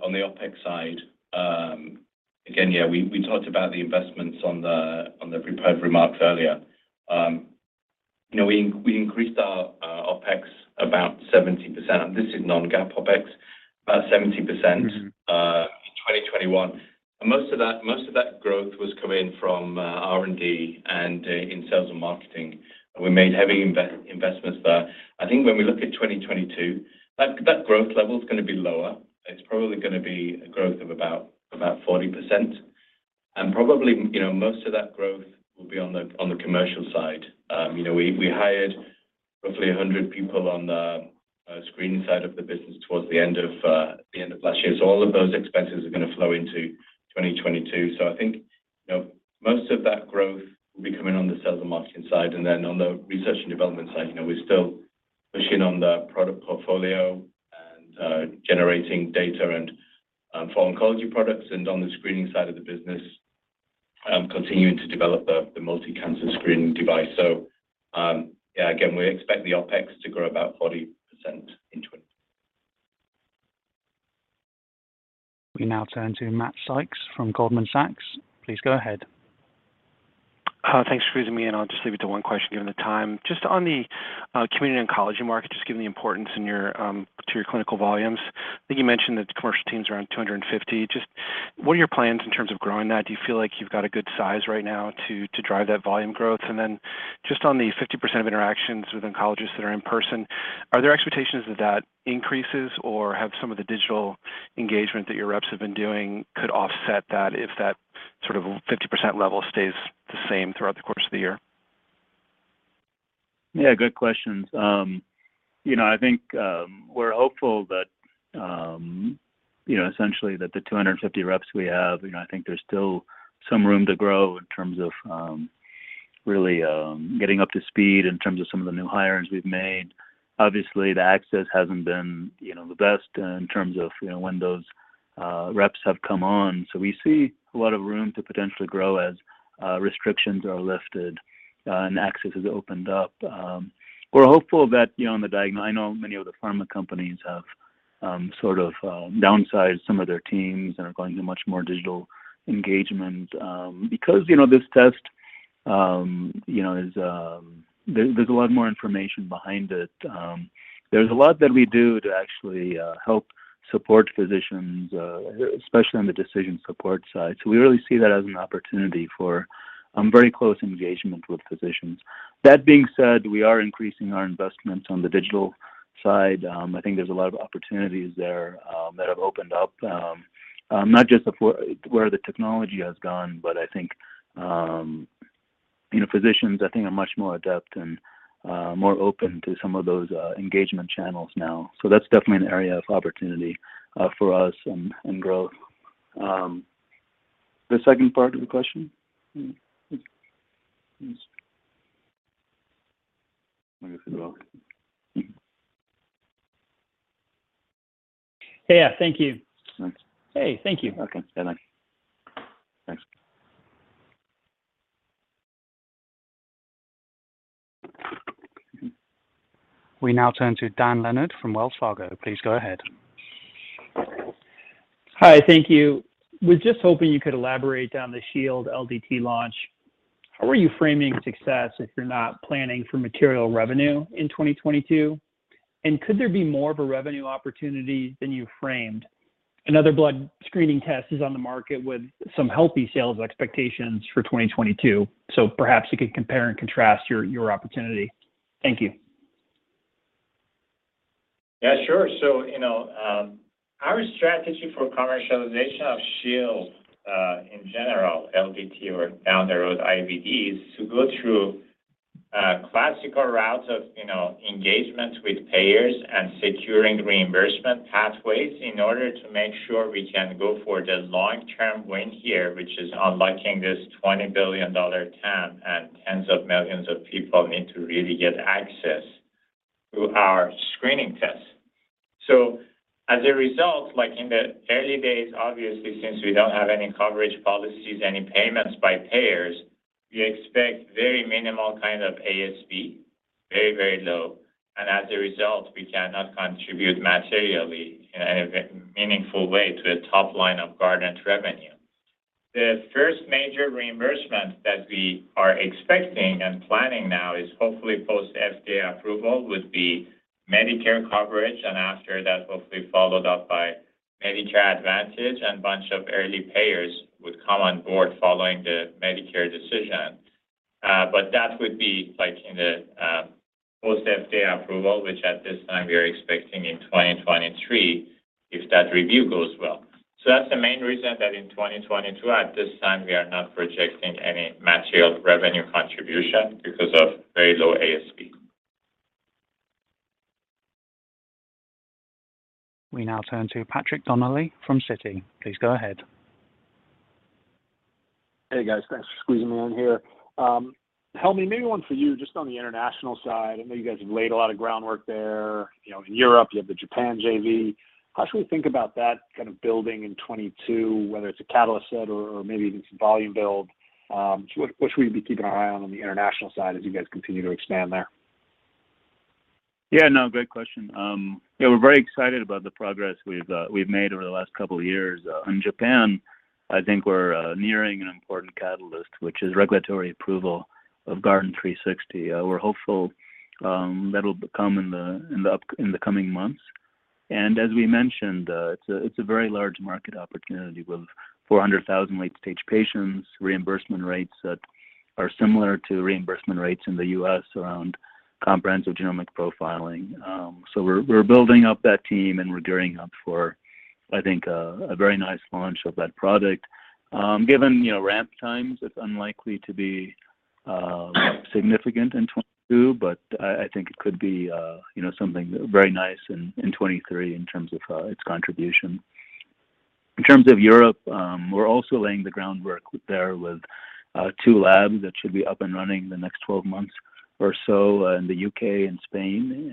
S5: On the OpEx side, again, yeah, we talked about the investments on the prepared remarks earlier. You know, we increased our OpEx about 70%, and this is non-GAAP OpEx, about 70%.
S12: Mm-hmm.
S5: In 2021. Most of that growth was coming from R&D and in sales and marketing. We made heavy investments there. I think when we look at 2022, that growth level is gonna be lower. It's probably gonna be a growth of about 40%. Probably, you know, most of that growth will be on the commercial side. You know, we hired roughly 100 people on the screening side of the business towards the end of last year. All of those expenses are gonna flow into 2022. I think, you know, most of that growth will be coming on the sales and marketing side. On the research and development side, you know, we're still pushing on the product portfolio and generating data and for oncology products. On the screening side of the business, continuing to develop the multi-cancer screening device. Again, we expect the OpEx to grow about 40% in 2022.
S1: We now turn to Matt Sykes from Goldman Sachs. Please go ahead.
S13: Thanks for squeezing me in. I'll just leave it to one question given the time. Just on the community oncology market, just given the importance to your clinical volumes. I think you mentioned that the commercial team's around 250. Just what are your plans in terms of growing that? Do you feel like you've got a good size right now to drive that volume growth? Just on the 50% of interactions with oncologists that are in person, are there expectations that that increases or have some of the digital engagement that your reps have been doing could offset that if that sort of 50% level stays the same throughout the course of the year?
S3: Yeah, good questions. You know, I think we're hopeful that you know, essentially that the 250 reps we have, you know, I think there's still some room to grow in terms of really getting up to speed in terms of some of the new hirings we've made. Obviously, the access hasn't been you know, the best in terms of you know, when those reps have come on. We see a lot of room to potentially grow as restrictions are lifted and access has opened up. We're hopeful that you know, on the, I know many of the pharma companies have sort of downsized some of their teams and are going to much more digital engagement. You know, this test you know, there's a lot more information behind it. There's a lot that we do to actually help support physicians, especially on the decision support side. We really see that as an opportunity for very close engagement with physicians. That being said, we are increasing our investments on the digital side. I think there's a lot of opportunities there that have opened up not just of where the technology has gone, but I think you know, physicians I think are much more adept and more open to some of those engagement channels now. That's definitely an area of opportunity for us and growth. The second part of the question?
S13: Hey, thank you.
S3: Okay. Thanks.
S1: We now turn to Dan Leonard from Wells Fargo. Please go ahead.
S14: Hi. Thank you. I was just hoping you could elaborate on the Shield LDT launch? How are you framing success if you're not planning for material revenue in 2022? Could there be more of a revenue opportunity than you framed? Another blood screening test is on the market with some healthy sales expectations for 2022, so perhaps you could compare and contrast your opportunity. Thank you.
S4: Yeah, sure. You know, our strategy for commercialization of Shield, in general, LDT or down the road IVDs, to go through a classical route of, you know, engagement with payers and securing reimbursement pathways in order to make sure we can go for the long-term win here, which is unlocking this $20 billion TAM and 10s of millions of people need to really get access to our screening test. As a result, like in the early days, obviously, since we don't have any coverage policies, any payments by payers, we expect very minimal kind of ASP, very, very low. As a result, we cannot contribute materially in a meaningful way to the top line of Guardant revenue. The first major reimbursement that we are expecting and planning now is hopefully post FDA approval would be Medicare coverage, and after that, hopefully followed up by Medicare Advantage, and bunch of early payers would come on board following the Medicare decision. But that would be, like, in the post FDA approval, which at this time we are expecting in 2023 if that review goes well. That's the main reason that in 2022, at this time, we are not projecting any material revenue contribution because of very low ASP.
S1: We now turn to Patrick Donnelly from Citi. Please go ahead.
S15: Hey, guys. Thanks for squeezing me in here. Helmy, maybe one for you, just on the international side. I know you guys have laid a lot of groundwork there, you know, in Europe. You have the Japan JV. How should we think about that kind of building in 2022, whether it's a catalyst set or maybe even some volume build. What should we be keeping our eye on the international side as you guys continue to expand there?
S3: Yeah, no, great question. Yeah, we're very excited about the progress we've made over the last couple of years. In Japan, I think we're nearing an important catalyst, which is regulatory approval of Guardant360. We're hopeful that'll come in the coming months. As we mentioned, it's a very large market opportunity with 400,000 late-stage patients, reimbursement rates that are similar to reimbursement rates in the U.S. around comprehensive genomic profiling. We're building up that team, and we're gearing up for, I think, a very nice launch of that product. Given you know, ramp times, it's unlikely to be significant in 2022, but I think it could be you know, something very nice in 2023 in terms of its contribution. In terms of Europe, we're also laying the groundwork there with two labs that should be up and running the next 12 months or so in the U.K. and Spain.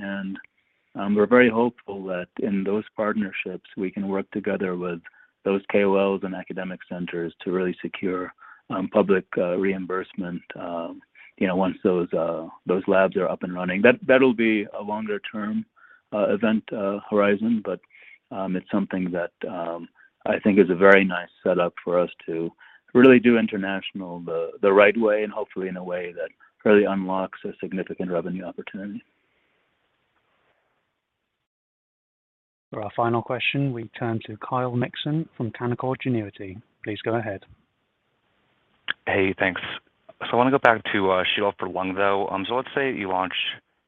S3: We're very hopeful that in those partnerships, we can work together with those KOLs and academic centers to really secure public reimbursement, you know, once those labs are up and running. That'll be a longer term event horizon, but it's something that I think is a very nice setup for us to really do international the right way and hopefully in a way that really unlocks a significant revenue opportunity.
S1: For our final question, we turn to Kyle Mikson from Canaccord Genuity. Please go ahead.
S16: Hey, thanks. I want to go back to Shield for lung though. Let's say you launch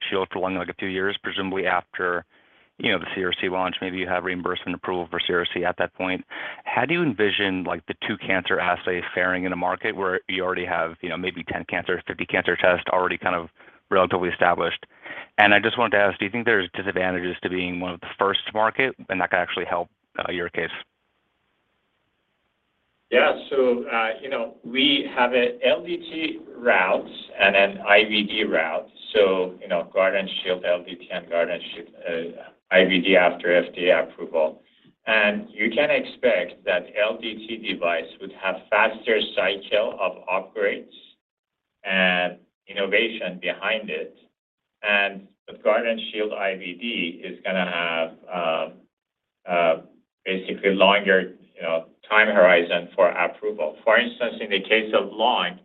S16: Shield for lung in, like, a few years, presumably after, you know, the CRC launch. Maybe you have reimbursement approval for CRC at that point. How do you envision, like, the two cancer assays faring in a market where you already have, you know, maybe 10-50 cancer tests already kind of relatively established? I just wanted to ask, do you think there's disadvantages to being one of the first to market, and that could actually help your case?
S4: Yeah. You know, we have a LDT route and an IVD route. You know, Guardant Shield LDT and Guardant Shield IVD after FDA approval. You can expect that LDT device would have faster cycle of upgrades and innovation behind it. With Guardant Shield IVD is gonna have basically longer time horizon for approval. For instance, in the case of lung,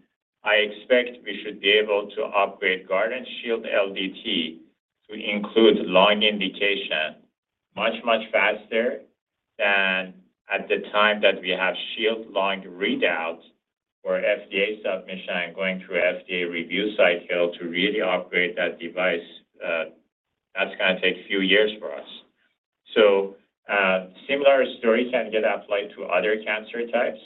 S4: I expect we should be able to upgrade Guardant Shield LDT to include lung indication much, much faster than at the time that we have Shield Lung readouts for FDA submission and going through FDA review cycle to really upgrade that device. That's gonna take a few years for us. Similar story can get applied to other cancer types.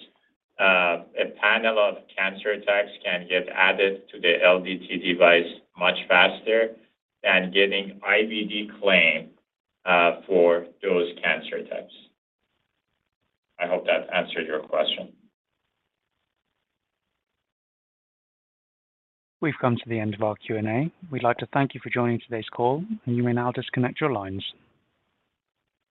S4: A panel of cancer types can get added to the LDT device much faster than getting IVD claim for those cancer types. I hope that answered your question.
S1: We've come to the end of our Q&A. We'd like to thank you for joining today's call, and you may now disconnect your lines.